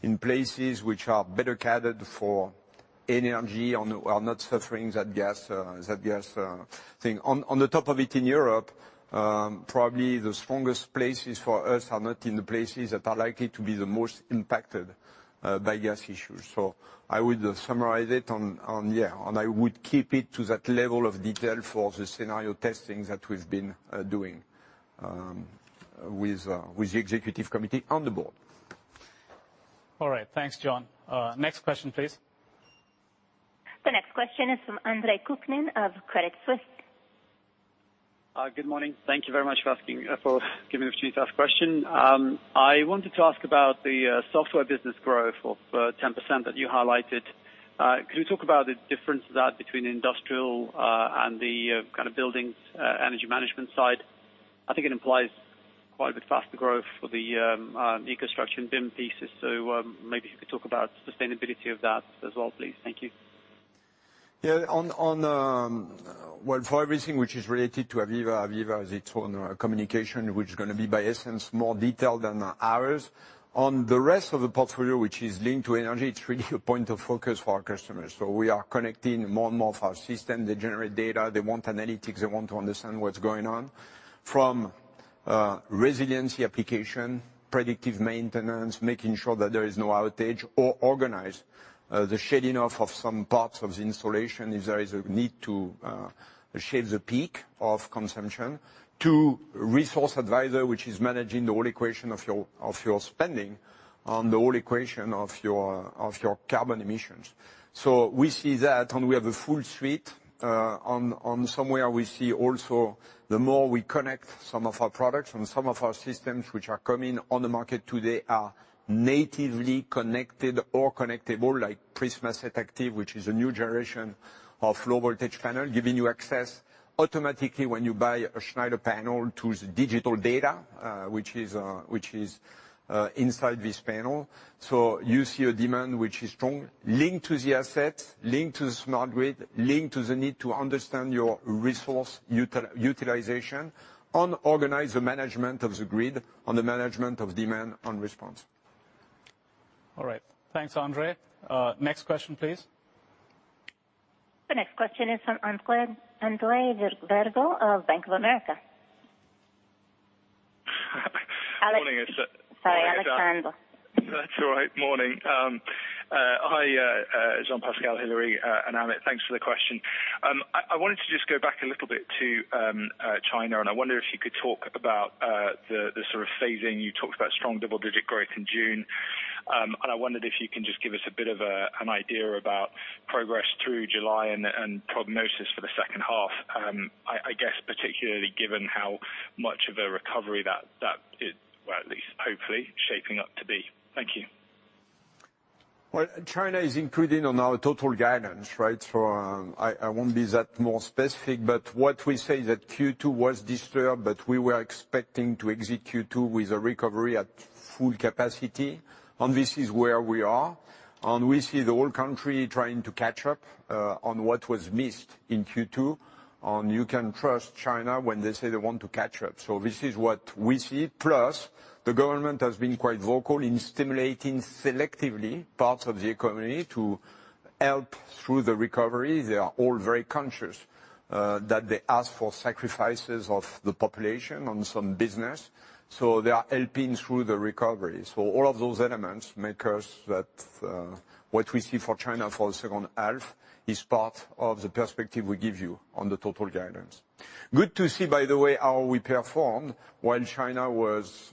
in places which are better catered for energy and are not suffering that gas thing. On the top of it in Europe, probably the strongest places for us are not in the places that are likely to be the most impacted by gas issues. I would summarize it on, yeah, and I would keep it to that level of detail for the scenario testing that we've been doing with the executive committee and the board. All right. Thanks, Jon. Next question, please. The next question is from Andre Kukhnin of Credit Suisse. Good morning. Thank you very much for giving me the opportunity to ask a question. I wanted to ask about the software business growth of 10% that you highlighted. Can you talk about the difference of that between Industrial and the kind of buildings Energy Management side? I think it implies quite a bit faster growth for the EcoStruxure and BIM pieces. Maybe if you could talk about sustainability of that as well, please. Thank you. Well, for everything which is related to AVEVA has its own communication, which is gonna be, by essence, more detailed than ours. On the rest of the portfolio which is linked to energy, it's really a point of focus for our customers. We are connecting more and more of our system. They generate data. They want analytics. They want to understand what's going on. From resiliency application, predictive maintenance, making sure that there is no outage or organize the shedding off of some parts of the installation if there is a need to shed the peak of consumption, to Resource Advisor, which is managing the whole equation of your spending on the whole equation of your carbon emissions. We see that, and we have a full suite. We see also the more we connect some of our products and some of our systems which are coming on the market today are natively connected or connectable like PrismaSeT Active, which is a new generation of low voltage panel, giving you access automatically when you buy a Schneider panel to the digital data, which is inside this panel. You see a demand which is strong, linked to the assets, linked to the smart grid, linked to the need to understand your resource utilization and organize the management of the grid on the management of demand and response. All right. Thanks, Andre. Next question, please. The next question is from Alexander Virgo of Bank of America. Morning, it's Sorry, Alexander Virgo. That's all right. Morning. Hi, Jean-Pascal, Hilary, and Amit. Thanks for the question. I wanted to just go back a little bit to China, and I wonder if you could talk about the sort of phasing. You talked about strong double-digit growth in June. I wondered if you can just give us a bit of an idea about progress through July and prognosis for the second half, I guess particularly given how much of a recovery that is, well, at least hopefully shaping up to be. Thank you. Well, China is included on our total guidance, right? I won't be that much more specific, but what we say is that Q2 was disturbed, but we were expecting to exit Q2 with a recovery at full capacity, and this is where we are. We see the whole country trying to catch up on what was missed in Q2. You can trust China when they say they want to catch up. This is what we see. Plus, the government has been quite vocal in stimulating selectively parts of the economy to help through the recovery. They are all very conscious that they ask for sacrifices of the population on some business, so they are helping through the recovery. All of those elements make it so that what we see for China for the second half is part of the perspective we give you on the total guidance. Good to see, by the way, how we performed while China was,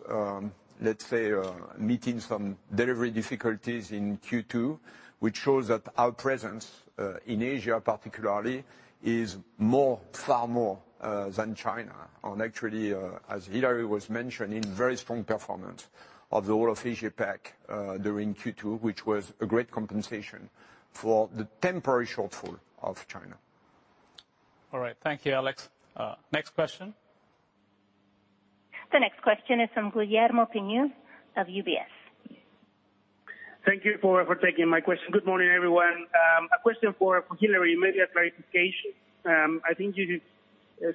let's say, meeting some delivery difficulties in Q2, which shows that our presence in Asia particularly is far more than China. Actually, as Hilary was mentioning, very strong performance of the whole of Asia-Pacific during Q2, which was a great compensation for the temporary shortfall of China. All right. Thank you, Alex. Next question. The next question is from Guillermo Peigneux of UBS. Thank you for taking my question. Good morning, everyone. A question for Hilary, maybe a clarification. I think you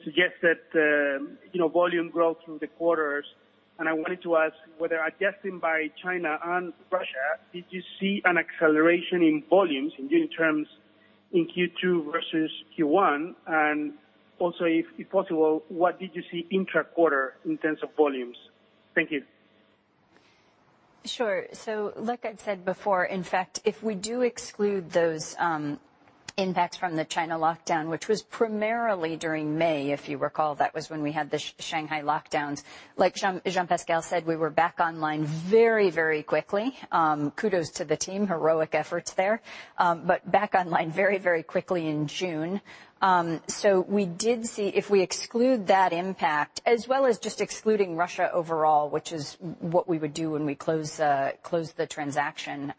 suggest that you know, volume growth through the quarters, and I wanted to ask whether adjusting for China and Russia, did you see an acceleration in volumes in unit terms in Q2 versus Q1? Also, if possible, what did you see intra-quarter in terms of volumes? Thank you. Sure. Like I've said before, in fact, if we do exclude those impacts from the China lockdown, which was primarily during May, if you recall, that was when we had the Shanghai lockdowns. Like Jean-Pascal said, we were back online very, very quickly. Kudos to the team. Heroic efforts there. Back online very, very quickly in June. We did see, if we exclude that impact, as well as just excluding Russia overall, which is what we would do when we close the transaction,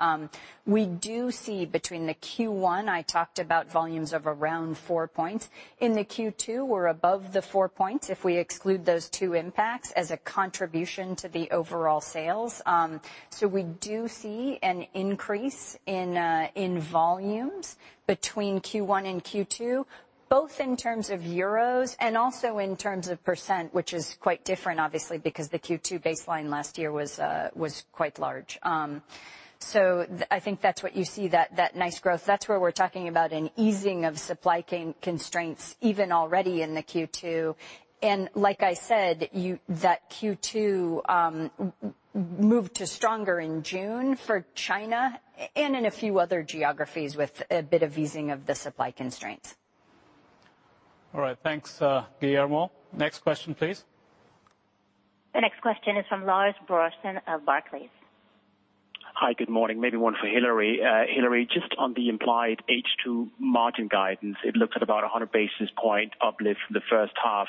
we do see between the Q1, I talked about volumes of around 4%. In the Q2, we're above the 4% if we exclude those two impacts as a contribution to the overall sales. We do see an increase in volumes between Q1 and Q2, both in terms of euros and also in terms of percent, which is quite different obviously because the Q2 baseline last year was quite large. I think that's what you see, that nice growth. That's where we're talking about an easing of supply constraints even already in the Q2. Like I said, that Q2 move to stronger in June for China and in a few other geographies with a bit of easing of the supply constraints. All right, thanks, Guillermo. Next question, please. The next question is from Lars Brorson of Barclays. Hi. Good morning. Maybe one for Hilary. Hilary, just on the implied H2 margin guidance, it looks at about 100 basis point uplift from the first half.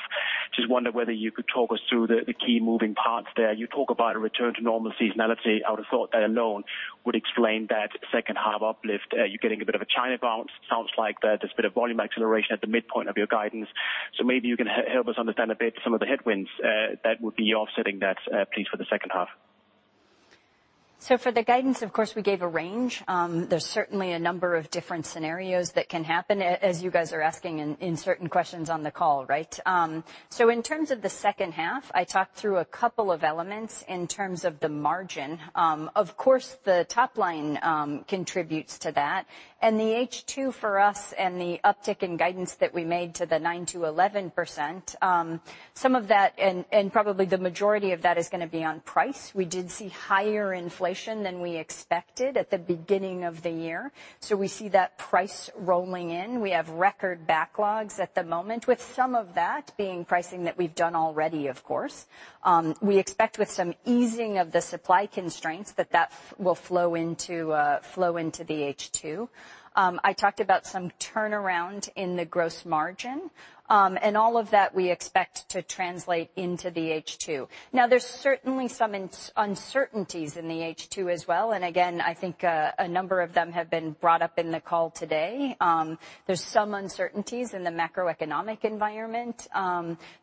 Just wonder whether you could talk us through the key moving parts there. You talk about a return to normal seasonality. I would have thought that alone would explain that second half uplift. You're getting a bit of a China bounce. Sounds like there's a bit of volume acceleration at the midpoint of your guidance. Maybe you can help us understand a bit some of the headwinds that would be offsetting that, please, for the second half. For the guidance, of course, we gave a range. There's certainly a number of different scenarios that can happen, as you guys are asking in certain questions on the call, right? In terms of the second half, I talked through a couple of elements in terms of the margin. Of course, the top line contributes to that. The H2 for us and the uptick in guidance that we made to the 9%-11%, some of that and probably the majority of that is gonna be on price. We did see higher inflation than we expected at the beginning of the year, so we see that price rolling in. We have record backlogs at the moment, with some of that being pricing that we've done already, of course. We expect with some easing of the supply constraints that will flow into the H2. I talked about some turnaround in the gross margin, and all of that we expect to translate into the H2. Now there's certainly some uncertainties in the H2 as well, and again, I think a number of them have been brought up in the call today. There's some uncertainties in the macroeconomic environment.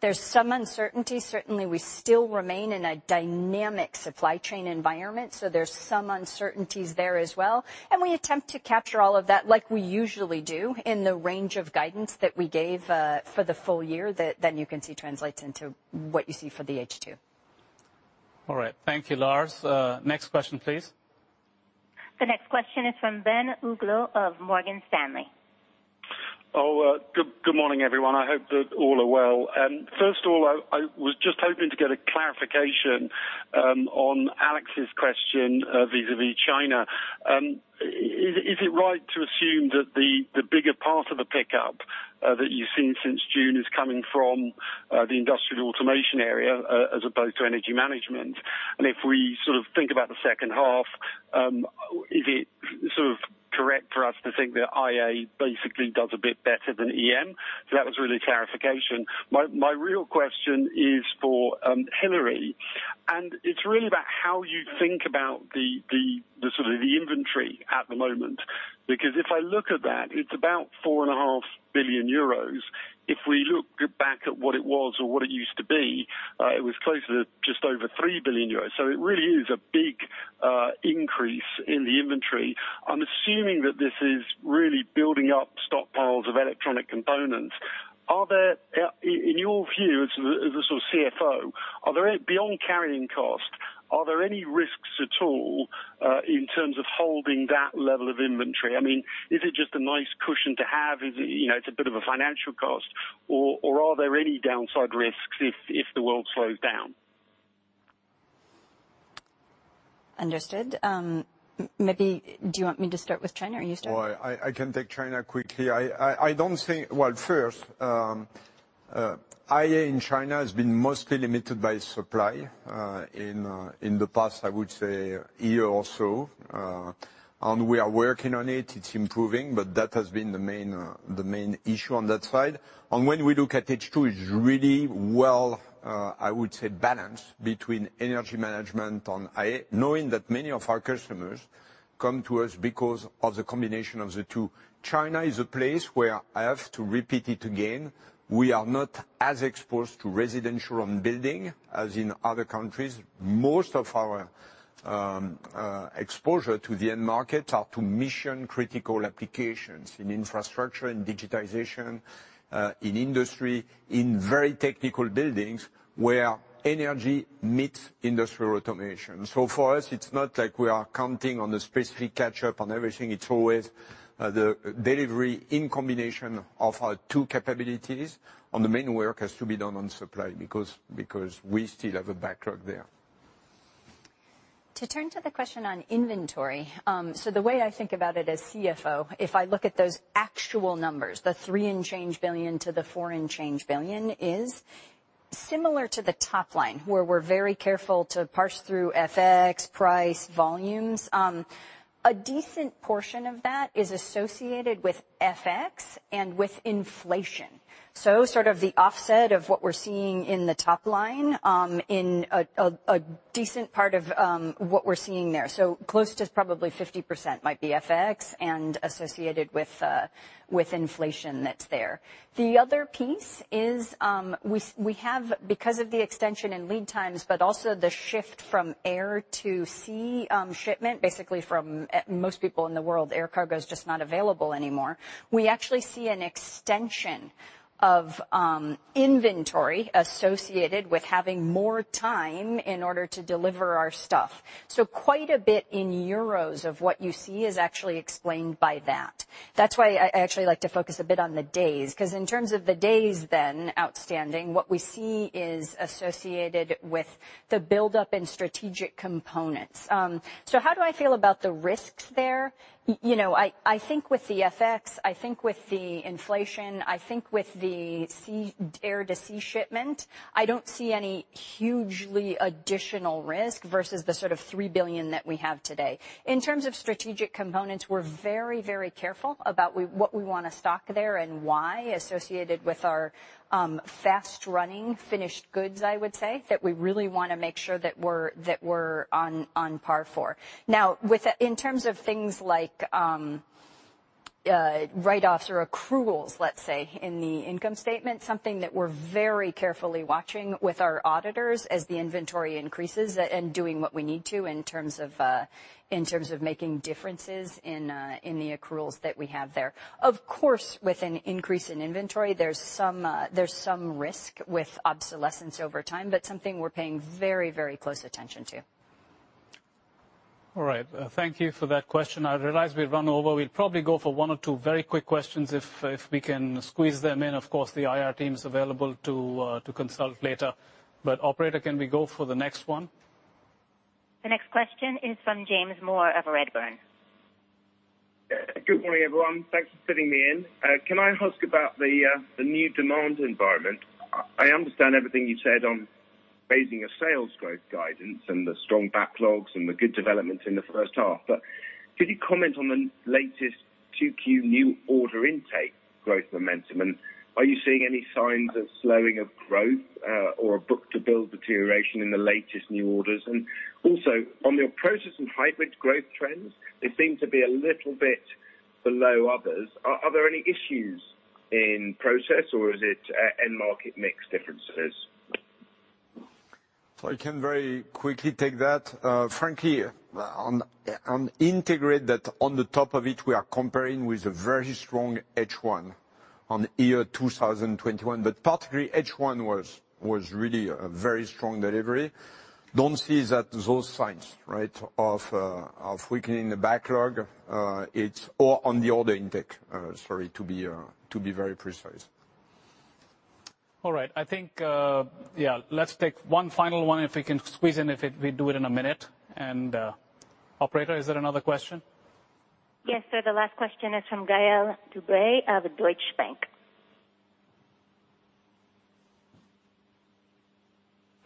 There's some uncertainty. Certainly we still remain in a dynamic supply chain environment, so there's some uncertainties there as well. We attempt to capture all of that like we usually do in the range of guidance that we gave for the full year that then you can see translates into what you see for the H2. All right. Thank you, Lars. Next question, please. The next question is from Ben Uglow of Morgan Stanley. Good morning, everyone. I hope that all are well. First of all, I was just hoping to get a clarification on Alex's question vis-à-vis China. Is it right to assume that the bigger part of a pickup that you've seen since June is coming from the Industrial Automation area as opposed to Energy Management? If we sort of think about the second half, is it sort of correct for us to think that IA basically does a bit better than EM? So that was really clarification. My real question is for Hilary, and it's really about how you think about the sort of inventory at the moment. Because if I look at that, it's about 4.5 billion euros. If we look back at what it was or what it used to be, it was closer to just over 3 billion euros. It really is a big increase in the inventory. I'm assuming that this is really building up stockpiles of electronic components. In your view as the sort of CFO, are there, beyond carrying cost, any risks at all in terms of holding that level of inventory? I mean, is it just a nice cushion to have? Is it, you know, it's a bit of a financial cost or are there any downside risks if the world slows down? Understood. Maybe do you want me to start with China or you start? Well, I can take China quickly. First, IA in China has been mostly limited by supply in the past, I would say a year or so. We are working on it. It's improving, but that has been the main issue on that side. When we look at H2, it's really well, I would say balanced between Energy Management and IA, knowing that many of our customers come to us because of the combination of the two. China is a place where I have to repeat it again, we are not as exposed to residential and building as in other countries. Most of our exposure to the end markets are to mission-critical applications in infrastructure, in digitization, in industry, in very technical buildings where energy meets Industrial Automation. For us, it's not like we are counting on a specific catch-up on everything. It's always the delivery in combination of our two capabilities, and the main work has to be done on supply because we still have a backlog there. To turn to the question on inventory, so the way I think about it as CFO, if I look at those actual numbers, the 3 and change billion to the 4 and change billion is similar to the top line, where we're very careful to parse through FX, price, volumes. A decent portion of that is associated with FX and with inflation. Sort of the offset of what we're seeing in the top line, in a decent part of what we're seeing there, so close to probably 50% might be FX and associated with inflation that's there. The other piece is we have, because of the extension in lead times but also the shift from air to sea shipment, basically from most people in the world, air cargo is just not available anymore. We actually see an extension of inventory associated with having more time in order to deliver our stuff. Quite a bit in euros of what you see is actually explained by that. That's why I actually like to focus a bit on the days, 'cause in terms of the days then outstanding, what we see is associated with the buildup in strategic components. How do I feel about the risks there? You know, I think with the FX, I think with the inflation, I think with the sea, air to sea shipment, I don't see any hugely additional risk versus the sort of 3 billion that we have today. In terms of strategic components, we're very, very careful about what we wanna stock there and why associated with our fast-running finished goods, I would say, that we really wanna make sure that we're on par for. Now in terms of things like write-offs or accruals, let's say, in the income statement, something that we're very carefully watching with our auditors as the inventory increases and doing what we need to in terms of making differences in the accruals that we have there. Of course, with an increase in inventory there's some risk with obsolescence over time, but something we're paying very, very close attention to. All right. Thank you for that question. I realize we've run over. We'll probably go for one or two very quick questions if we can squeeze them in. Of course, the IR team's available to consult later. Operator, can we go for the next one? The next question is from James Moore of Redburn. Good morning, everyone. Thanks for fitting me in. Can I ask about the new demand environment? I understand everything you said on raising your sales growth guidance and the strong backlogs and the good development in the first half. Could you comment on the latest 2Q new order intake growth momentum? And are you seeing any signs of slowing of growth or book-to-bill deterioration in the latest new orders? And also, on your process and hybrid growth trends, they seem to be a little bit below others. Are there any issues in process or is it end market mix differences? I can very quickly take that. Frankly, on Integrated, on the top of it we are comparing with a very strong H1 in year 2021. Particularly, H1 was really a very strong delivery. Don't see those signs, right? Of weakening the backlog. It's all on the order intake, sorry, to be very precise. All right. I think, yeah, let's take one final one if we can squeeze in. We do it in a minute. Operator, is there another question? Yes, sir. The last question is from Gael de-Bray of Deutsche Bank.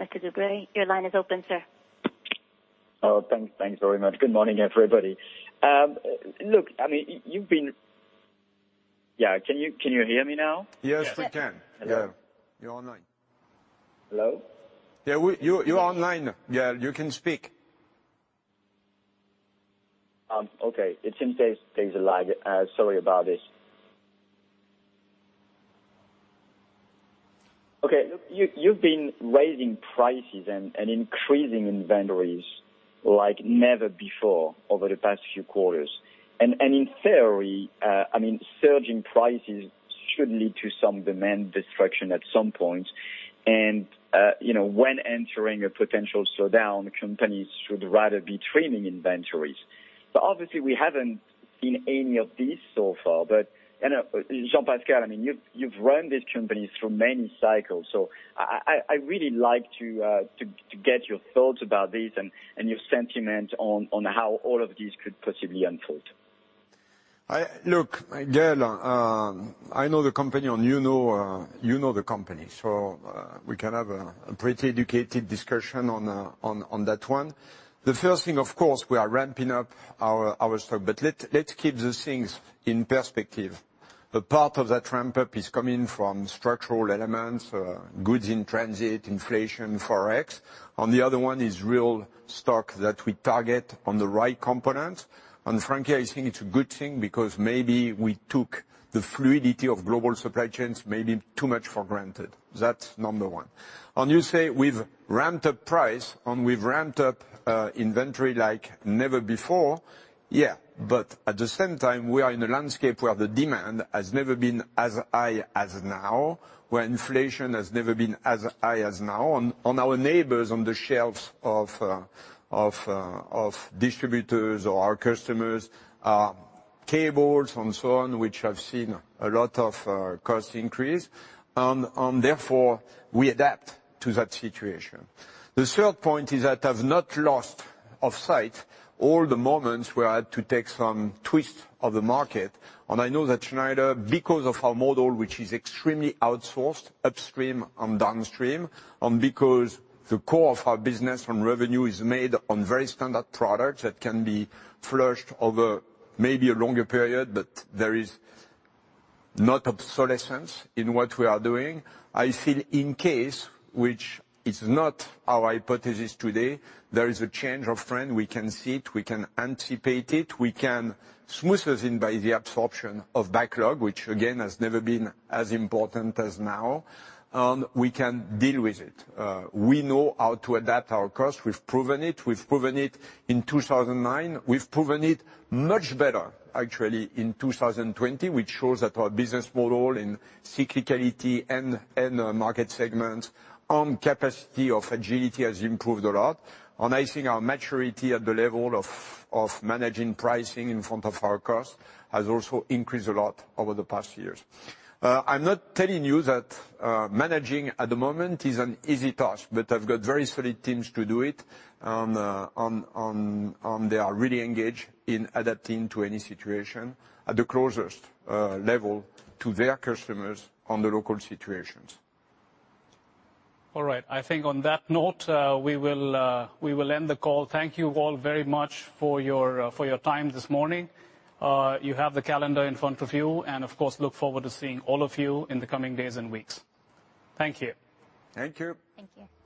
Mr. De-Bray, your line is open, sir. Oh, thanks very much. Good morning, everybody. Look you have been...Yeah, can you hear me now? Yes, we can. Yes. Yeah. You're online. Hello? You're online. Yeah, you can speak. It seems there's a lag. Sorry about this. Okay, look, you've been raising prices and increasing inventories like never before over the past few quarters. In theory, I mean, surging prices should lead to some demand destruction at some point. You know, when entering a potential slowdown, companies should rather be trimming inventories. But obviously we haven't seen any of this so far. I know, Jean-Pascal, I mean, you've run this company through many cycles, so I really like to get your thoughts about this and your sentiment on how all of this could possibly unfold. Look, Gael, I know the company and you know the company, so we can have a pretty educated discussion on that one. The first thing of course, we are ramping up our stock. Let's keep these things in perspective. A part of that ramp-up is coming from structural elements, goods in transit, inflation, forex. On the other one is real stock that we target on the right component. Frankly, I think it's a good thing because maybe we took the fluidity of global supply chains maybe too much for granted. That's number one. You say we've ramped up price and we've ramped up inventory like never before. Yeah, at the same time, we are in a landscape where the demand has never been as high as now, where inflation has never been as high as now. On our end, on the shelves of distributors or our customers, cables and so on, which have seen a lot of cost increase. Therefore we adapt to that situation. The third point is that I've not lost sight of all the moments where I had to take some twists of the market. I know that Schneider, because of our model, which is extremely outsourced upstream and downstream, and because the core of our business and revenue is made on very standard products that can be flushed over maybe a longer period, but there is not obsolescence in what we are doing. I feel in case, which is not our hypothesis today, there is a change of trend. We can see it, we can anticipate it, we can smooth this in by the absorption of backlog, which again, has never been as important as now, and we can deal with it. We know how to adapt our cost. We've proven it. We've proven it in 2009. We've proven it much better actually in 2020, which shows that our business model in cyclicality and market segments and capacity of agility has improved a lot. I think our maturity at the level of managing pricing in front of our cost has also increased a lot over the past years. I'm not telling you that managing at the moment is an easy task, but I've got very solid teams to do it and they are really engaged in adapting to any situation at the closest level to their customers on the local situations. All right. I think on that note, we will end the call. Thank you all very much for your time this morning. You have the calendar in front of you and of course look forward to seeing all of you in the coming days and weeks. Thank you. Thank you. Thank you.